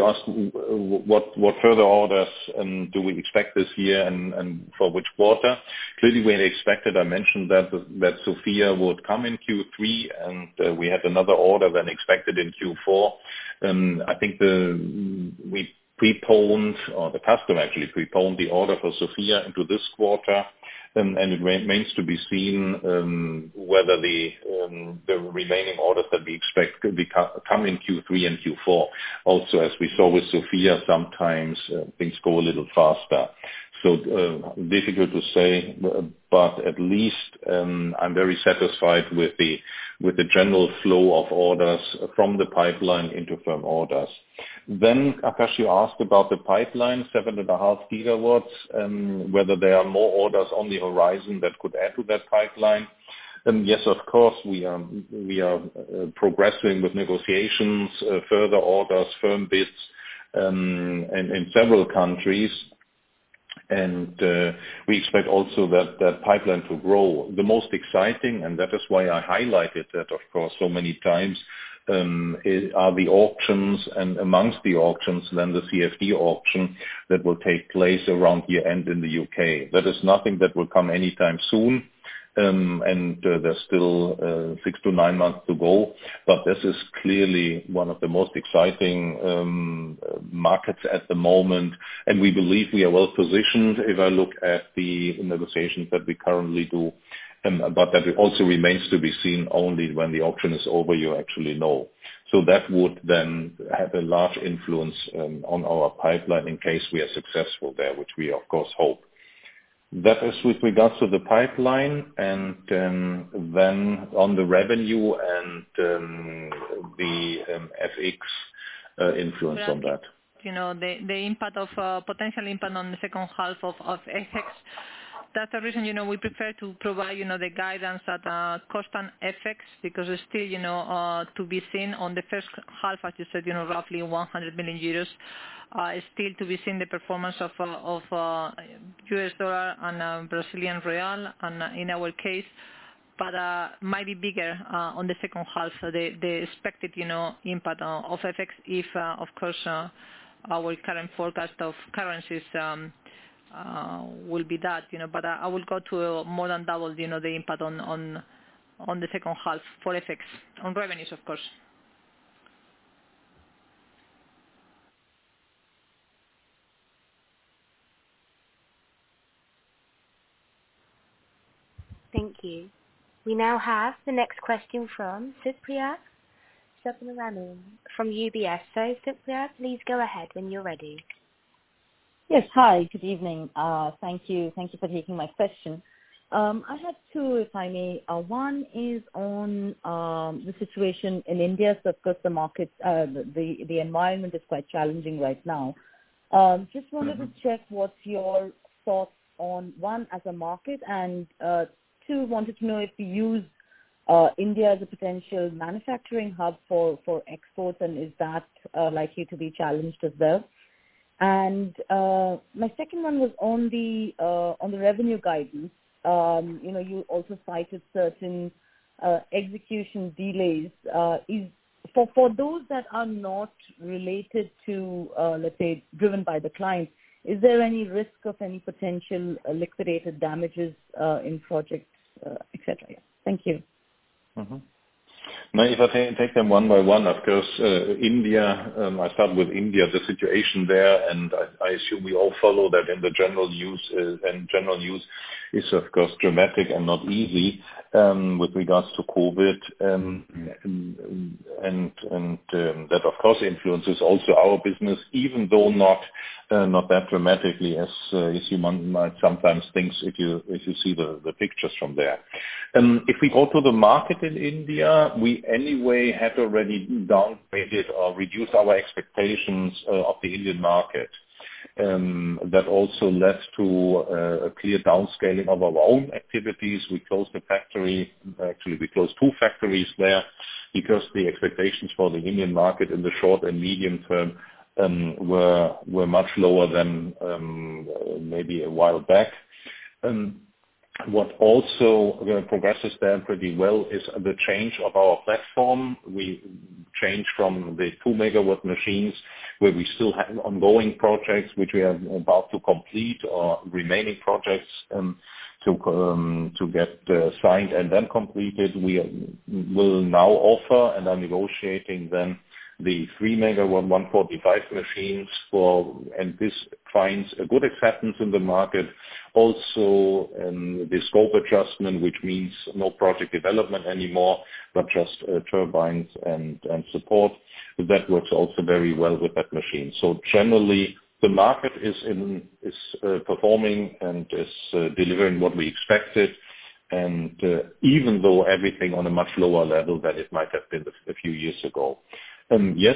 asked what further orders, and do we expect this year and for which quarter? Clearly, we expected, I mentioned that Sofia would come in Q3, and we had another order than expected in Q4. I think we preponed, or the customer actually preponed the order for Sofia into this quarter, and it remains to be seen whether the remaining orders that we expect could come in Q3 and Q4. As we saw with Sofia, sometimes things go a little faster. Difficult to say, but at least, I'm very satisfied with the general flow of orders from the pipeline into firm orders. Akash, you asked about the pipeline, 7.5 GW, and whether there are more orders on the horizon that could add to that pipeline. Yes, of course, we are progressing with negotiations, further orders, firm bids in several countries. We expect also that pipeline to grow. The most exciting, and that is why I highlighted that, of course, so many times, are the auctions and amongst the auctions, then the CFD auction that will take place around year-end in the U.K. That is nothing that will come anytime soon. There's still six to nine months to go, but this is clearly one of the most exciting markets at the moment, and we believe we are well-positioned if I look at the negotiations that we currently do. That also remains to be seen. Only when the auction is over you actually know. That would then have a large influence on our pipeline in case we are successful there, which we, of course, hope. That is with regards to the pipeline, and then on the revenue and the FX influence on that. The potential impact on the second half of FX. That's the reason we prefer to provide the guidance at constant FX because it's still to be seen on the first half, as you said, roughly 100 million euros, still to be seen the performance of U.S. dollar and Brazilian real in our case. Might be bigger on the second half. The expected impact of FX if, of course, our current forecast of currencies will be that. I will go to more than double the impact on the second half for FX on revenues, of course. Thank you. We now have the next question from Supriya Subramanian from UBS. Supriya, please go ahead when you're ready. Yes. Hi, good evening. Thank you for taking my question. I have two, if I may. One is on the situation in India. Of course, the environment is quite challenging right now. Just wanted to check what's your thoughts on, one, as a market, and two, wanted to know if you use India as a potential manufacturing hub for exports, and is that likely to be challenged as well? My second one was on the revenue guidance. You also cited certain execution delays. For those that are not related to, let's say, driven by the client, is there any risk of any potential liquidated damages in projects, et cetera? Thank you. If I take them one by one, of course, India. I start with India, the situation there, and I assume we all follow that in the general news. It's, of course, dramatic and not easy with regards to COVID. That, of course, influences also our business, even though not that dramatically as you might sometimes think if you see the pictures from there. If we go to the market in India, we anyway had already downgraded or reduced our expectations of the Indian market. That also led to a clear downscaling of our own activities. We closed the factory, actually we closed two factories there because the expectations for the Indian market in the short and medium term were much lower than maybe a while back. What also progresses there pretty well is the change of our platform. We changed from the 2 MW machines, where we still have ongoing projects which we are about to complete, or remaining projects to get signed and then completed. We will now offer and are negotiating then the 3 MW 145 machines. This finds a good acceptance in the market. The scope adjustment, which means no project development anymore, but just turbines and support. That works also very well with that machine. Generally, the market is performing and is delivering what we expected. Even though everything on a much lower level than it might have been a few years ago. You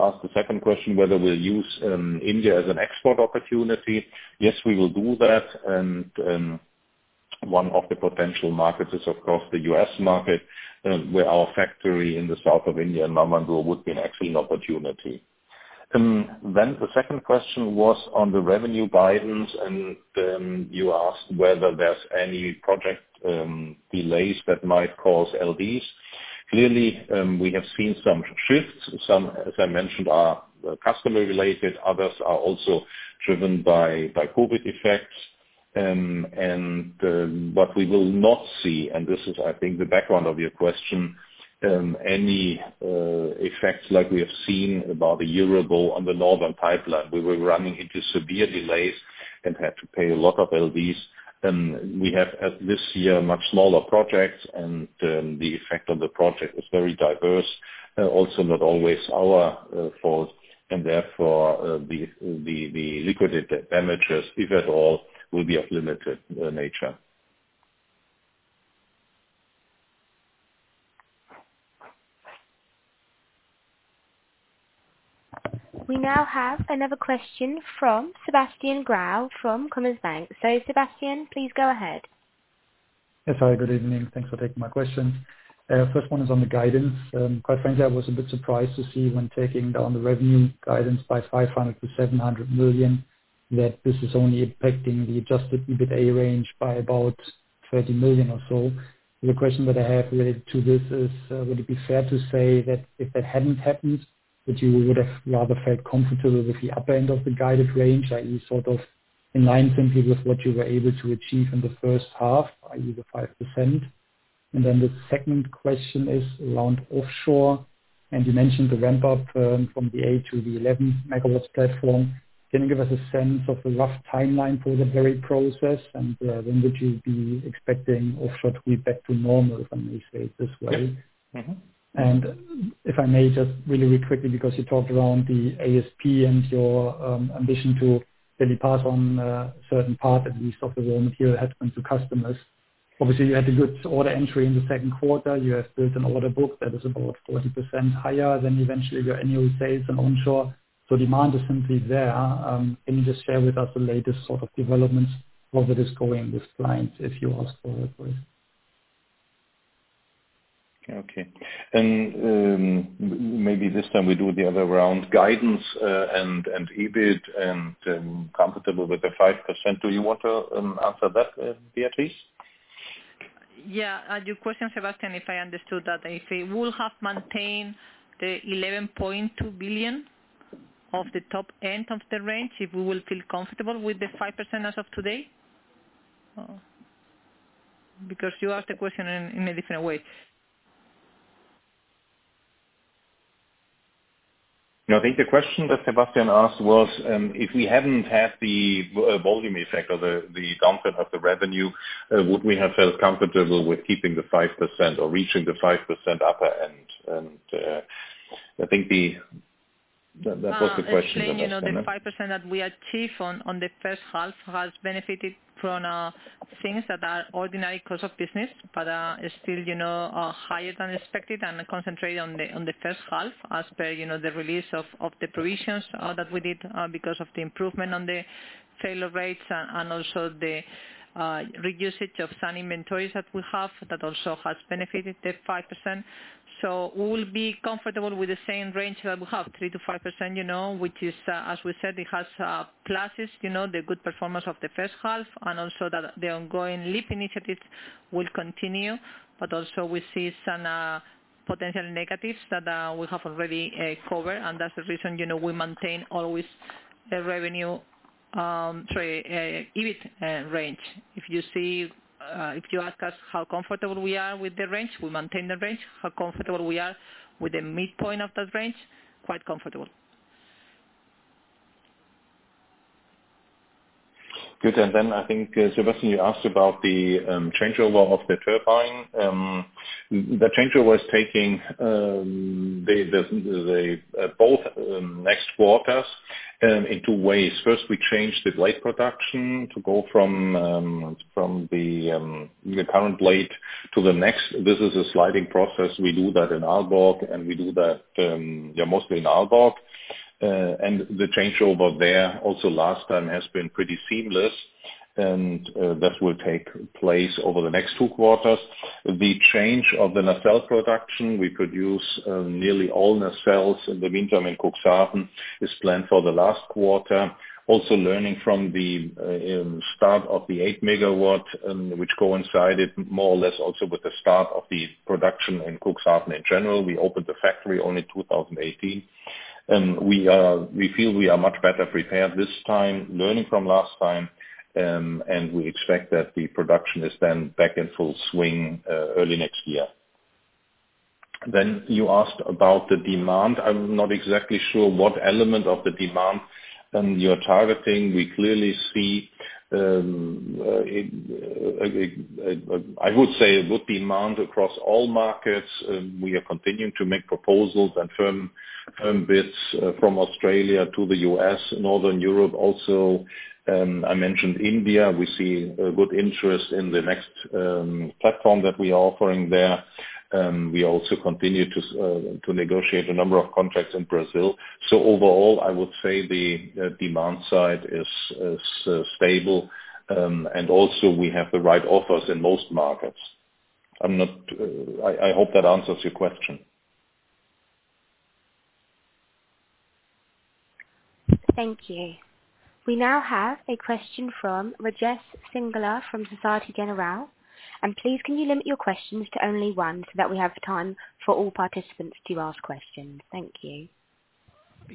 asked the second question, whether we'll use India as an export opportunity. Yes, we will do that. One of the potential markets is, of course, the U.S. market, where our factory in the south of India in Mamandur would be an excellent opportunity. The second question was on the revenue guidance, and you asked whether there's any project delays that might cause LDs. Clearly, we have seen some shifts. Some, as I mentioned, are customer related, others are also driven by COVID effects. What we will not see, and this is, I think, the background of your question, any effects like we have seen about a year ago on the Northern pipeline. We were running into severe delays and had to pay a lot of LDs. We have this year much smaller projects, and the effect on the project is very diverse, also not always our fault, and therefore, the liquidated damages, if at all, will be of limited nature. We now have another question from Sebastian Growe from Commerzbank. Sebastian, please go ahead. Hi, good evening. Thanks for taking my question. First one is on the guidance. Quite frankly, I was a bit surprised to see when taking down the revenue guidance by 500 million-700 million, that this is only affecting the adjusted EBITA range by about 30 million or so. The question that I have related to this is, would it be fair to say that if that hadn't happened, that you would have rather felt comfortable with the upper end of the guided range, like you sort of in line simply with what you were able to achieve in the first half, i.e. the 5%? The second question is around offshore, and you mentioned the ramp up from the A to the 11 MW platform. Can you give us a sense of a rough timeline for the very process? When would you be expecting offshore to be back to normal, if I may say it this way? If I may, just really quickly, because you talked around the ASP and your ambition to really pass on a certain part, at least of the raw material headroom to customers. Obviously, you had a good order entry in the second quarter. You have built an order book that is about 40% higher than eventually your annual sales and onshore. Demand is simply there. Can you just share with us the latest sort of developments, where it is going with clients? Okay. Maybe this time we do the other round. Guidance and EBIT and comfortable with the 5%, do you want to answer that, Beatriz? Yeah. Your question, Sebastian, if I understood that, if we will have maintained the 11.2 billion of the top end of the range, if we will feel comfortable with the 5% as of today? Because you asked the question in a different way. No, I think the question that Sebastian asked was, if we hadn't had the volume effect or the downturn of the revenue, would we have felt comfortable with keeping the 5% or reaching the 5% upper end? I think that was the question. The 5% that we achieved on the first half has benefited from things that are ordinary course of business, but are still higher than expected and concentrated on the first half as per the release of the provisions that we did because of the improvement on the failure rates, and also the usage of some inventories that we have that also has benefited the 5%. We will be comfortable with the same range that we have, 3%-5%, which as we said, it has pluses, the good performance of the first half, and also that the ongoing LEAP initiatives will continue. Also we see some potential negatives that we have already covered, and that's the reason we maintain always the revenue, sorry, EBIT range. If you ask us how comfortable we are with the range, we maintain the range. How comfortable we are with the midpoint of that range, quite comfortable. Good. I think, Sebastian, you asked about the changeover of the turbine. The changeover is taking both next quarters in two ways. First, we change the blade production to go from the current blade to the next. This is a sliding process. We do that in Aalborg, and we do that mostly in Aalborg. The changeover there also last time has been pretty seamless. That will take place over the next two quarters. The change of the nacelle production, we produce nearly all nacelles in the winter in Cuxhaven, is planned for the last quarter. Learning from the start of the 8 MW, which coincided more or less also with the start of the production in Cuxhaven in general. We opened the factory only 2018, and we feel we are much better prepared this time, learning from last time. We expect that the production is back in full swing early next year. You asked about the demand. I'm not exactly sure what element of the demand you're targeting. We clearly see, I would say a good demand across all markets. We are continuing to make proposals and firm bids from Australia to the U.S., Northern Europe also. I mentioned India, we see a good interest in the next platform that we are offering there. We also continue to negotiate a number of contracts in Brazil. Overall, I would say the demand side is stable, and also we have the right offers in most markets. I hope that answers your question. Thank you. We now have a question from Rajesh Singla from Société Générale. Please can you limit your questions to only one, so that we have time for all participants to ask questions. Thank you.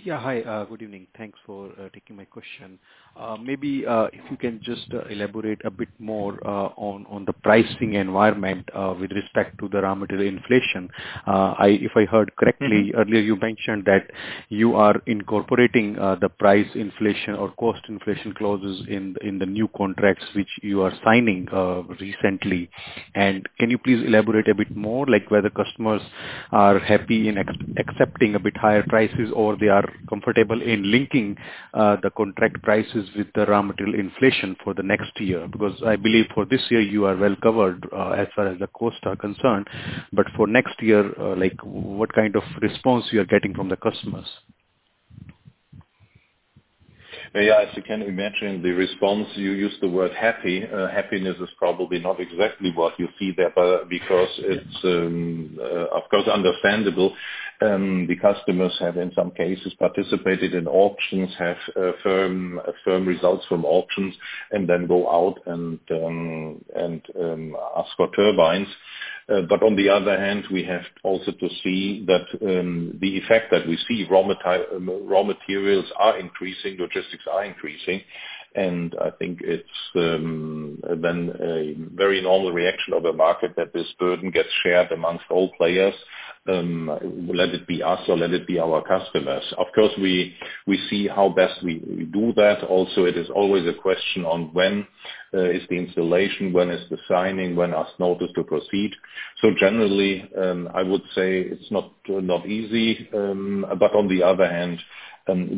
Hi, good evening. Thanks for taking my question. If you can just elaborate a bit more on the pricing environment, with respect to the raw material inflation. If I heard correctly earlier, you mentioned that you are incorporating the price inflation or cost inflation clauses in the new contracts, which you are signing recently. Can you please elaborate a bit more, like whether customers are happy in accepting a bit higher prices or they are comfortable in linking the contract prices with the raw material inflation for the next year? I believe for this year you are well-covered, as far as the costs are concerned. For next year, what kind of response you are getting from the customers? As you can imagine, the response, you used the word happy. Happiness is probably not exactly what you see there, because it is of course understandable. The customers have, in some cases, participated in auctions, have firm results from auctions, and then go out and ask for turbines. On the other hand, we have also to see that the effect that we see, raw materials are increasing, logistics are increasing. I think it has been a very normal reaction of the market that this burden gets shared among all players, let it be us or let it be our customers. Of course, we see how best we do that. It is always a question on when is the installation, when is the signing, when asked notice to proceed. Generally, I would say it is not easy. On the other hand,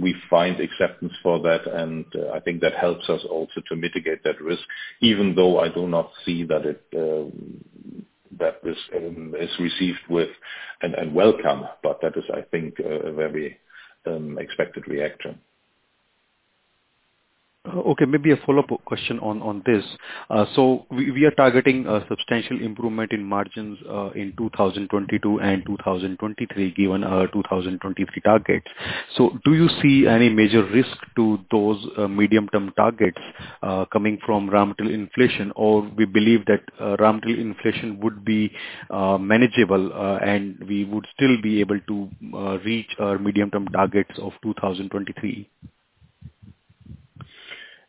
we find acceptance for that, and I think that helps us also to mitigate that risk, even though I do not see that this is received with and welcome. That is, I think, a very expected reaction. Maybe a follow-up question on this. We are targeting a substantial improvement in margins, in 2022 and 2023, given our 2023 targets. Do you see any major risk to those medium term targets coming from raw material inflation? We believe that raw material inflation would be manageable, and we would still be able to reach our medium term targets of 2023?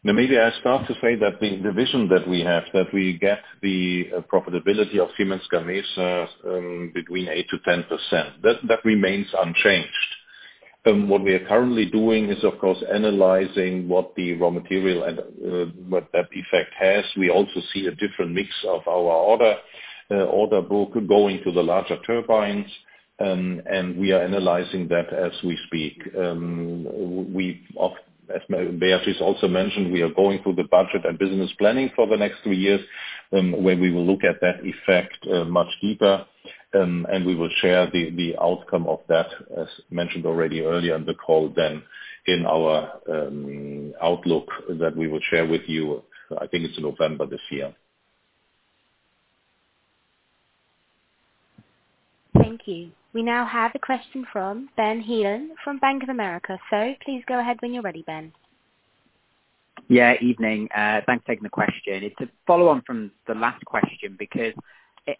I start to say that the vision that we have, that we get the profitability of Siemens Gamesa between 8%-10%, that remains unchanged. What we are currently doing is of course analyzing what the raw material and what that effect has. We also see a different mix of our order book going to the larger turbines. We are analyzing that as we speak. As Beatriz also mentioned, we are going through the budget and business planning for the next three years, when we will look at that effect much deeper. We will share the outcome of that, as mentioned already earlier in the call then, in our outlook that we will share with you, I think it's November this year. Thank you. We now have a question from Ben Heelan from Bank of America. Please go ahead when you're ready, Ben. Yeah, evening. Thanks for taking the question. It's a follow-on from the last question because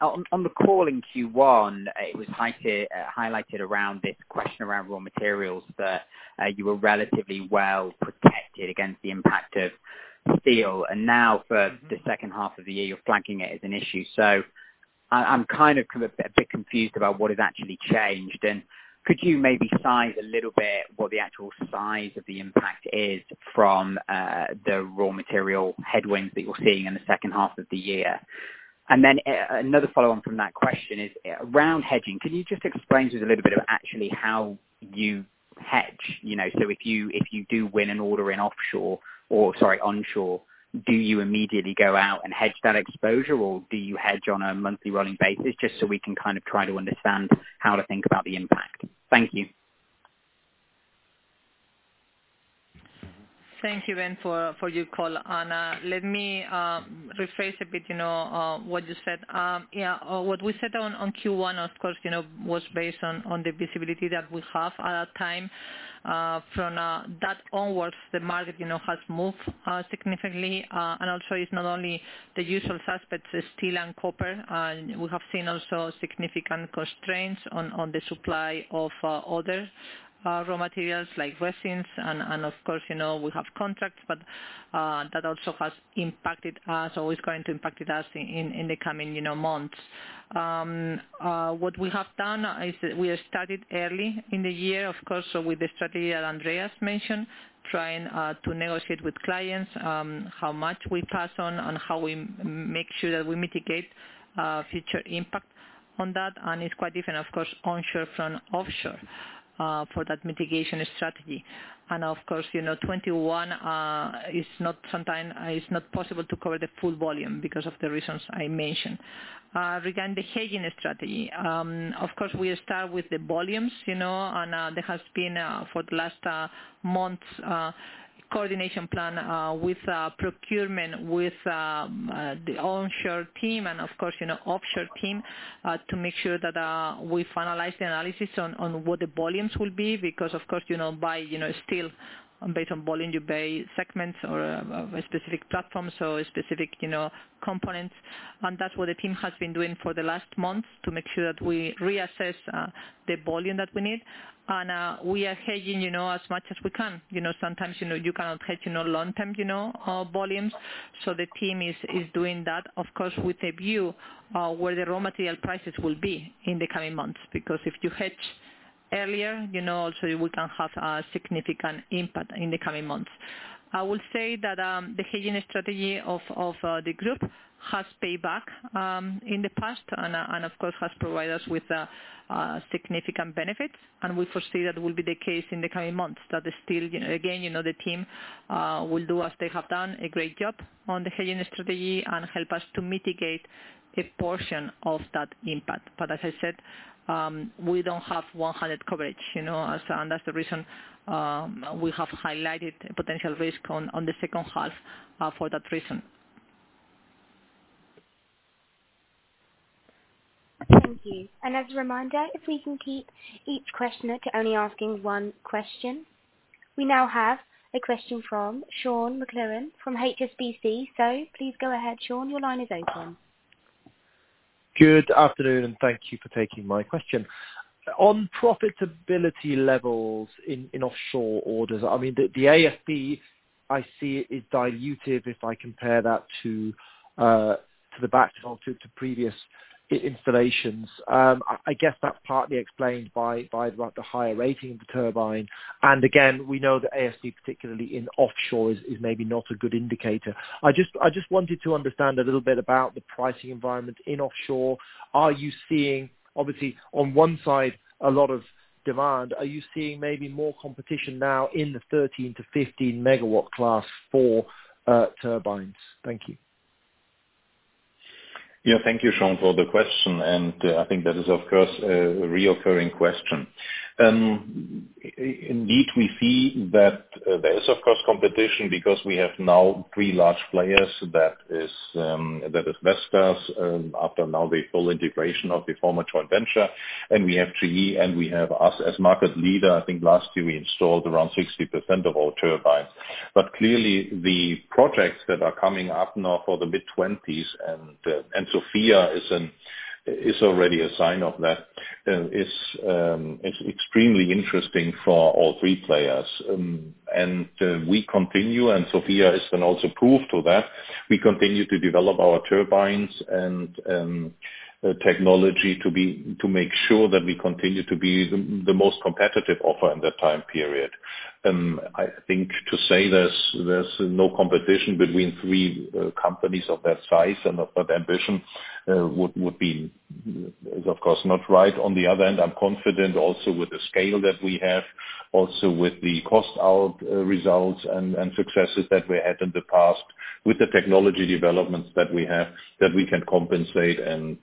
on the call in Q1, it was highlighted around this question around raw materials, that you were relatively well protected against the impact of steel. Now for the second half of the year, you're flagging it as an issue. I'm kind of a bit confused about what has actually changed. Could you maybe size a little bit what the actual size of the impact is from the raw material headwinds that you're seeing in the second half of the year? Then another follow-on from that question is, around hedging, can you just explain to us a little bit of actually how you hedge? If you do win an order in offshore or, sorry, onshore, do you immediately go out and hedge that exposure, or do you hedge on a monthly running basis, just so we can kind of try to understand how to think about the impact. Thank you. Thank you, Ben, for your call. Let me rephrase a bit what you said. What we said on Q1, of course, was based on the visibility that we have at that time. From that onwards, the market has moved significantly. It's not only the usual suspects, steel and copper. We have seen also significant constraints on the supply of other raw materials like resins. Of course, we have contracts, but that also has impacted us or is going to impact us in the coming months. What we have done is we have started early in the year, of course. With the strategy that Andreas mentioned, trying to negotiate with clients, how much we pass on and how we make sure that we mitigate future impact on that. It's quite different, of course, onshore from offshore, for that mitigation strategy. Of course, 2021, it's not possible to cover the full volume because of the reasons I mentioned. Regarding the hedging strategy, of course, we start with the volumes. There has been, for the last months, a coordination plan, with procurement, with the onshore team and of course offshore team, to make sure that we finalize the analysis on what the volumes will be. Of course, by steel, based on volume, you base segments or a specific platform, so a specific component. That's what the team has been doing for the last month, to make sure that we reassess the volume that we need. We are hedging as much as we can. Sometimes you cannot hedge long-term volumes. The team is doing that, of course, with a view where the raw material prices will be in the coming months. If you hedge earlier, also we can have a significant impact in the coming months. I will say that the hedging strategy of the group has paid back in the past and of course has provided us with significant benefits. We foresee that will be the case in the coming months. Again, the team will do as they have done, a great job on the hedging strategy and help us to mitigate a portion of that impact. As I said, we don't have 100% coverage, and that's the reason we have highlighted potential risk on the second half for that reason. Thank you. As a reminder, if we can keep each questioner to only asking one question. We now have a question from Sean McLoughlin from HSBC. Please go ahead, Sean, your line is open. Good afternoon. Thank you for taking my question. On profitability levels in offshore orders, I mean, the ASP I see is dilutive if I compare that to previous installations. I guess that's partly explained by the higher rating of the turbine. Again, we know that ASP, particularly in offshore, is maybe not a good indicator. I just wanted to understand a little bit about the pricing environment in offshore. Obviously, on one side, a lot of demand. Are you seeing maybe more competition now in the 13 MW-15 MW class for turbines? Thank you. Yeah. Thank you, Sean, for the question. I think that is, of course, a recurring question. Indeed, we see that there is, of course, competition because we have now three large players. That is Vestas, after now the full integration of the former joint venture, and we have GE, and we have us as market leader. I think last year we installed around 60% of all turbines. Clearly the projects that are coming up now for the mid-20s, and Sofia is already a sign of that, is extremely interesting for all three players. We continue, and Sofia is then also proof to that. We continue to develop our turbines and technology to make sure that we continue to be the most competitive offer in that time period. I think to say there is no competition between three companies of that size and of that ambition would be, of course, not right. On the other end, I am confident also with the scale that we have, also with the cost out results and successes that we had in the past with the technology developments that we have, that we can compensate and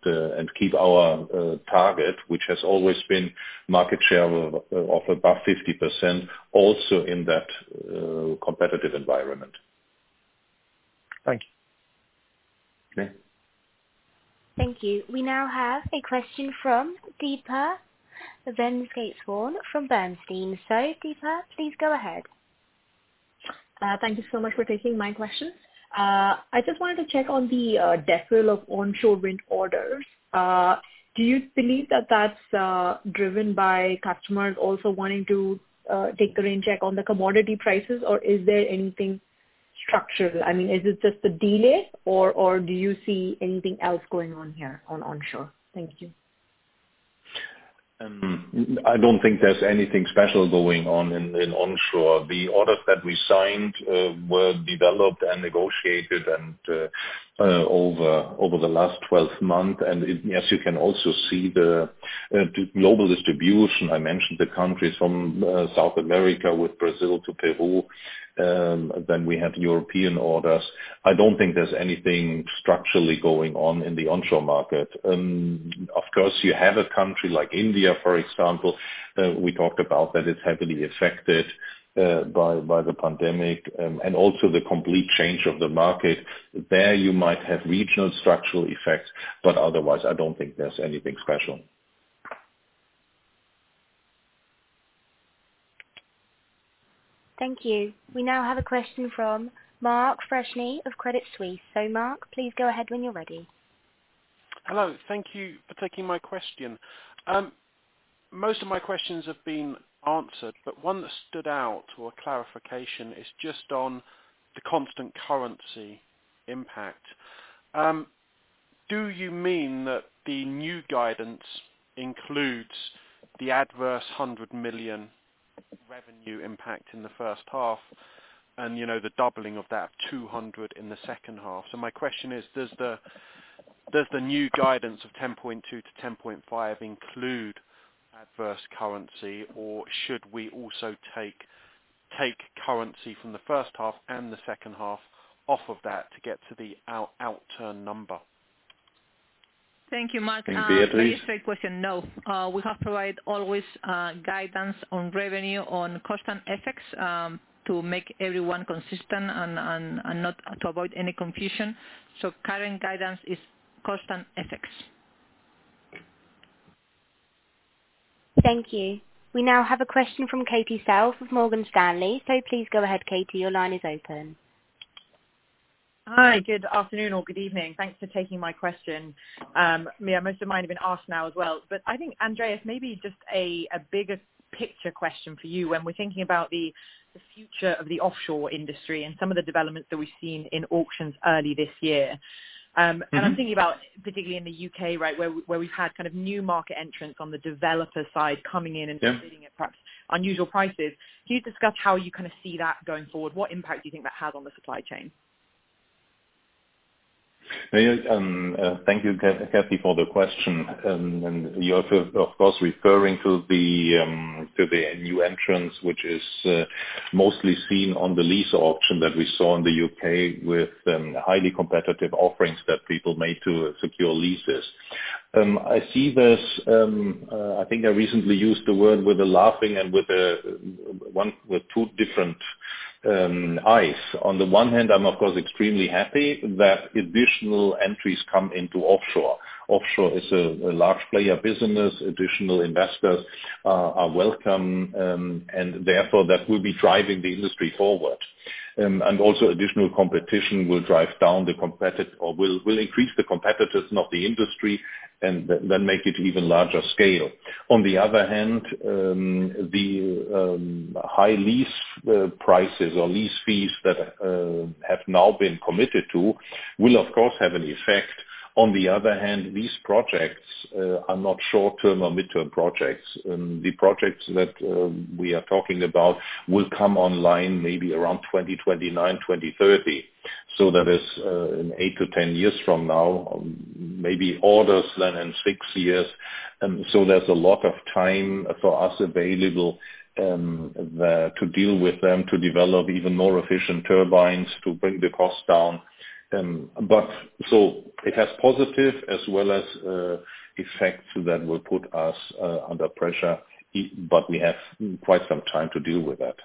keep our target, which has always been market share of above 50%, also in that competitive environment. Thank you. Okay. Thank you. We now have a question from Deepa Venkateswaran from Bernstein. Deepa, please go ahead. Thank you so much for taking my question. I just wanted to check on the deceleration of onshore wind orders. Do you believe that that's driven by customers also wanting to take a rain check on the commodity prices, or is there anything structural? Is it just a delay or do you see anything else going on here on onshore? Thank you. I don't think there's anything special going on in onshore. The orders that we signed were developed and negotiated over the last 12 months. As you can also see, the global distribution, I mentioned the countries from South America with Brazil to Peru, then we have European orders. I don't think there's anything structurally going on in the onshore market. Of course, you have a country like India, for example. We talked about that it's heavily affected by the pandemic and also the complete change of the market. There you might have regional structural effects, otherwise, I don't think there's anything special. Thank you. We now have a question from Mark Freshney of Credit Suisse. Mark, please go ahead when you're ready. Hello. Thank you for taking my question. Most of my questions have been answered. One that stood out or clarification is just on the constant currency impact. Do you mean that the new guidance includes the adverse 100 million revenue impact in the first half, and the doubling of that 200 million in the second half? My question is, does the new guidance of 10.2 billion-10.5 billion include adverse currency, or should we also take currency from the first half and the second half off of that to get to the outturn number? Thank you, Mark. Beatriz? Very straight question. No. We have provided always guidance on revenue, on constant FX, to make everyone consistent and to avoid any confusion. Current guidance is constant FX. Thank you. We now have a question from Katie Self of Morgan Stanley. Please go ahead, Katie. Your line is open. Hi, good afternoon or good evening. Thanks for taking my question. Most of mine have been asked now as well. I think, Andreas, maybe just a bigger picture question for you when we're thinking about the future of the offshore industry and some of the developments that we've seen in auctions early this year. I'm thinking about particularly in the U.K., right, where we've had new market entrants on the developer side coming in- Yeah. -bidding at perhaps unusual prices. Can you discuss how you see that going forward? What impact do you think that has on the supply chain? Thank you, Katie, for the question. You are of course, referring to the new entrants, which is mostly seen on the lease auction that we saw in the U.K. with highly competitive offerings that people made to secure leases. I see this, I think I recently used the word with a laughing and with two different eyes. On the one hand, I'm of course extremely happy that additional entries come into offshore. Offshore is a large player business. Additional investors are welcome, and therefore that will be driving the industry forward. Also additional competition will drive down the competitive or will increase the competitiveness of the industry and then make it even larger scale. On the other hand, the high lease prices or lease fees that have now been committed to will, of course, have an effect. These projects are not short-term or mid-term projects. The projects that we are talking about will come online maybe around 2029, 2030. That is eight to 10 years from now, maybe orders then in six years. There's a lot of time for us available to deal with them, to develop even more efficient turbines, to bring the cost down. It has positive as well as effects that will put us under pressure, but we have quite some time to deal with that.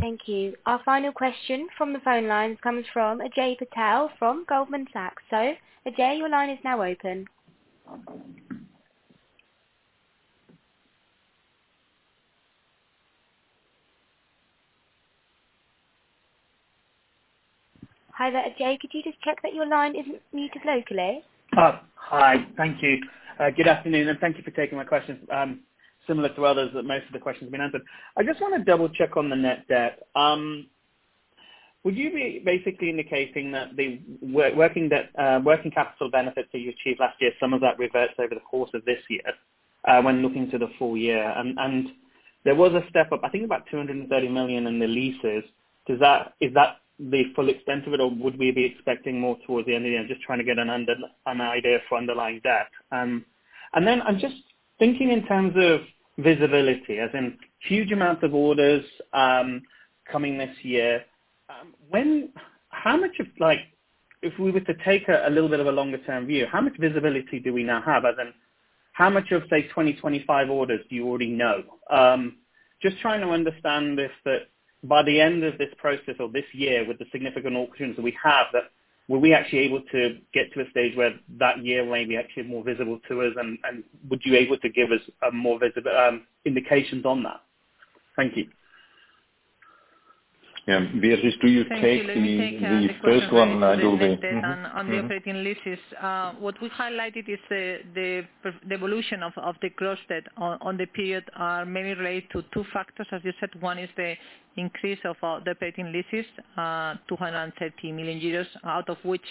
Thank you. Our final question from the phone lines comes from Ajay Patel from Goldman Sachs. Ajay, your line is now open. Hi there, Ajay. Could you just check that your line isn't muted locally? Hi. Thank you. Good afternoon, and thank you for taking my questions. Similar to others, most of the questions have been answered. I just want to double-check on the net debt. Would you be basically indicating that the working capital benefits that you achieved last year, some of that reverts over the course of this year, when looking to the full year? There was a step-up, I think about 230 million in the leases. Is that the full extent of it, or would we be expecting more towards the end of the year? I'm just trying to get an idea for underlying debt. I'm just thinking in terms of visibility, as in huge amounts of orders coming this year. If we were to take a little bit of a longer-term view, how much visibility do we now have? As in, how much of, say, 2025 orders do you already know? Just trying to understand if that by the end of this process or this year, with the significant auctions that we have, that were we actually able to get to a stage where that year may be actually more visible to us and would you be able to give us more indications on that? Thank you. Yeah. Beatriz, do you take the first one? Thank you. Let me take the first one on the operating leases. What we highlighted is the evolution of the gross debt on the period, mainly related to two factors. As you said, one is the increase of the operating leases, 230 million euros, out of which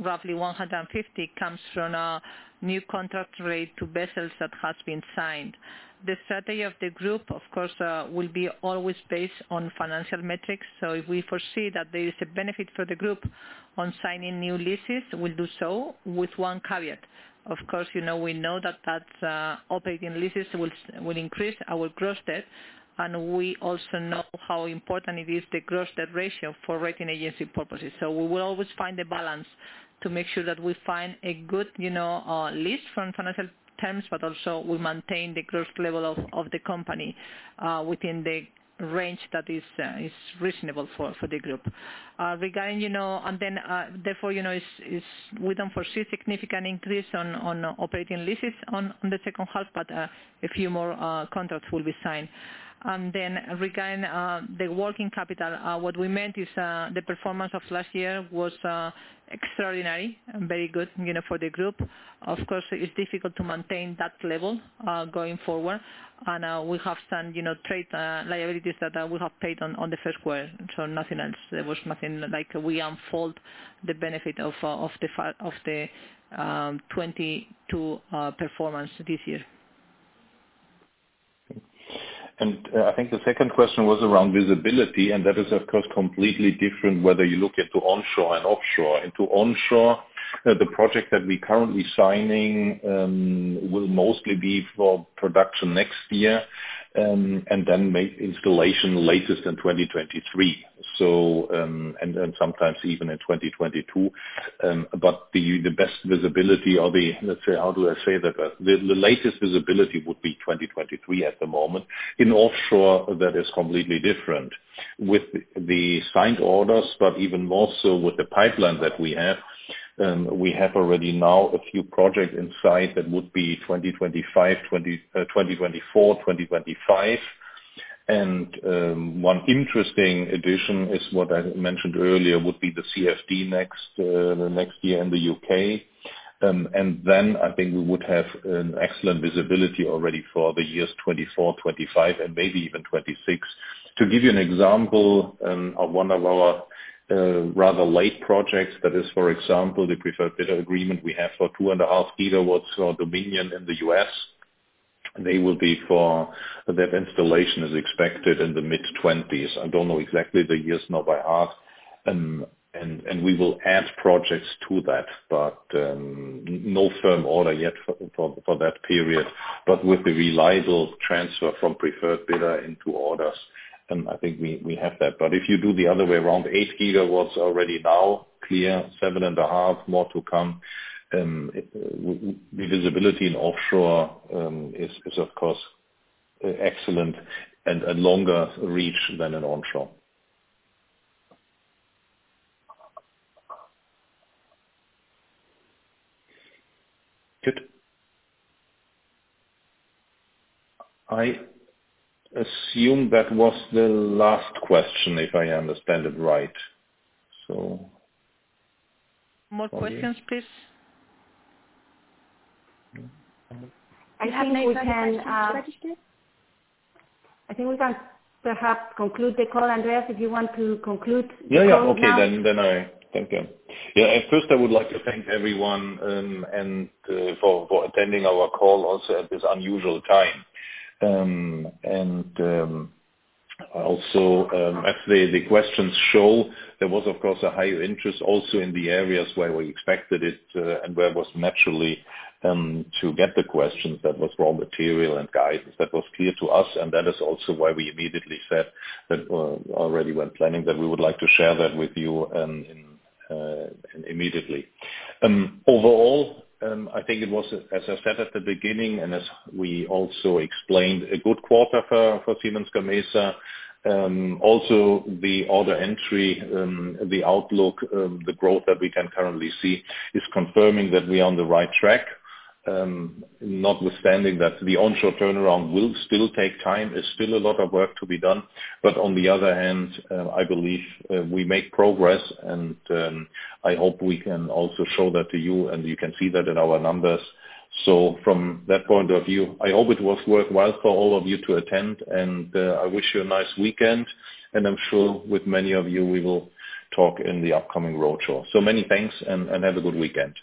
roughly 150 million comes from a new contract rate to vessels that has been signed. The strategy of the group, of course, will be always based on financial metrics. If we foresee that there is a benefit for the group on signing new leases, we'll do so with one caveat. Of course, we know that operating leases will increase our gross debt, and we also know how important it is the gross debt ratio for rating agency purposes. We will always find the balance to make sure that we find a good lease from financial terms, but also we maintain the growth level of the company within the range that is reasonable for the group. We don't foresee significant increase on operating leases on the second half, but a few more contracts will be signed. Regarding the working capital, what we meant is the performance of last year was extraordinary and very good for the group. Of course, it's difficult to maintain that level going forward. We have some trade liabilities that we have paid on the first quarter, nothing else. There was nothing, like we unfold the benefit of the 2022 performance this year. I think the second question was around visibility, and that is, of course, completely different whether you look into onshore and offshore. Into onshore, the project that we currently signing will mostly be for production next year, and then installation latest in 2023. Sometimes even in 2022. The best visibility or the, how do I say that? The latest visibility would be 2023 at the moment. In offshore, that is completely different. With the signed orders, but even more so with the pipeline that we have, we have already now a few projects in sight that would be 2024, 2025. One interesting addition is what I mentioned earlier, would be the CFD next year in the U.K. I think we would have an excellent visibility already for the years 2024, 2025, and maybe even 2026. To give you an example of one of our rather late projects, that is, for example, the preferred bidder agreement we have for 2.5 GW for Dominion in the U.S. Their installation is expected in the mid-20s. I do not know exactly the years now by heart. We will add projects to that. No firm order yet for that period. With the reliable transfer from preferred bidder into orders, I think we have that. If you do the other way around, 8 GW already now clear, 7.5 GW more to come. The visibility in offshore is, of course, excellent and a longer reach than in onshore. Good. I assume that was the last question, if I understand it right. More questions, please. I think we can perhaps conclude the call, Andreas, if you want to conclude the call now. Yeah. Okay. Thank you. First I would like to thank everyone for attending our call, also at this unusual time. As the questions show, there was, of course, a higher interest also in the areas where we expected it and where it was naturally to get the questions. That was raw material and guidance. That was clear to us, and that is also why we immediately said that we already were planning that we would like to share that with you immediately. Overall, I think it was, as I said at the beginning, and as we also explained, a good quarter for Siemens Gamesa. The order entry, the outlook, the growth that we can currently see is confirming that we are on the right track. Notwithstanding that the onshore turnaround will still take time. There's still a lot of work to be done. On the other hand, I believe we make progress and I hope we can also show that to you, and you can see that in our numbers. From that point of view, I hope it was worthwhile for all of you to attend, and I wish you a nice weekend, and I'm sure with many of you, we will talk in the upcoming roadshow. Many thanks and have a good weekend.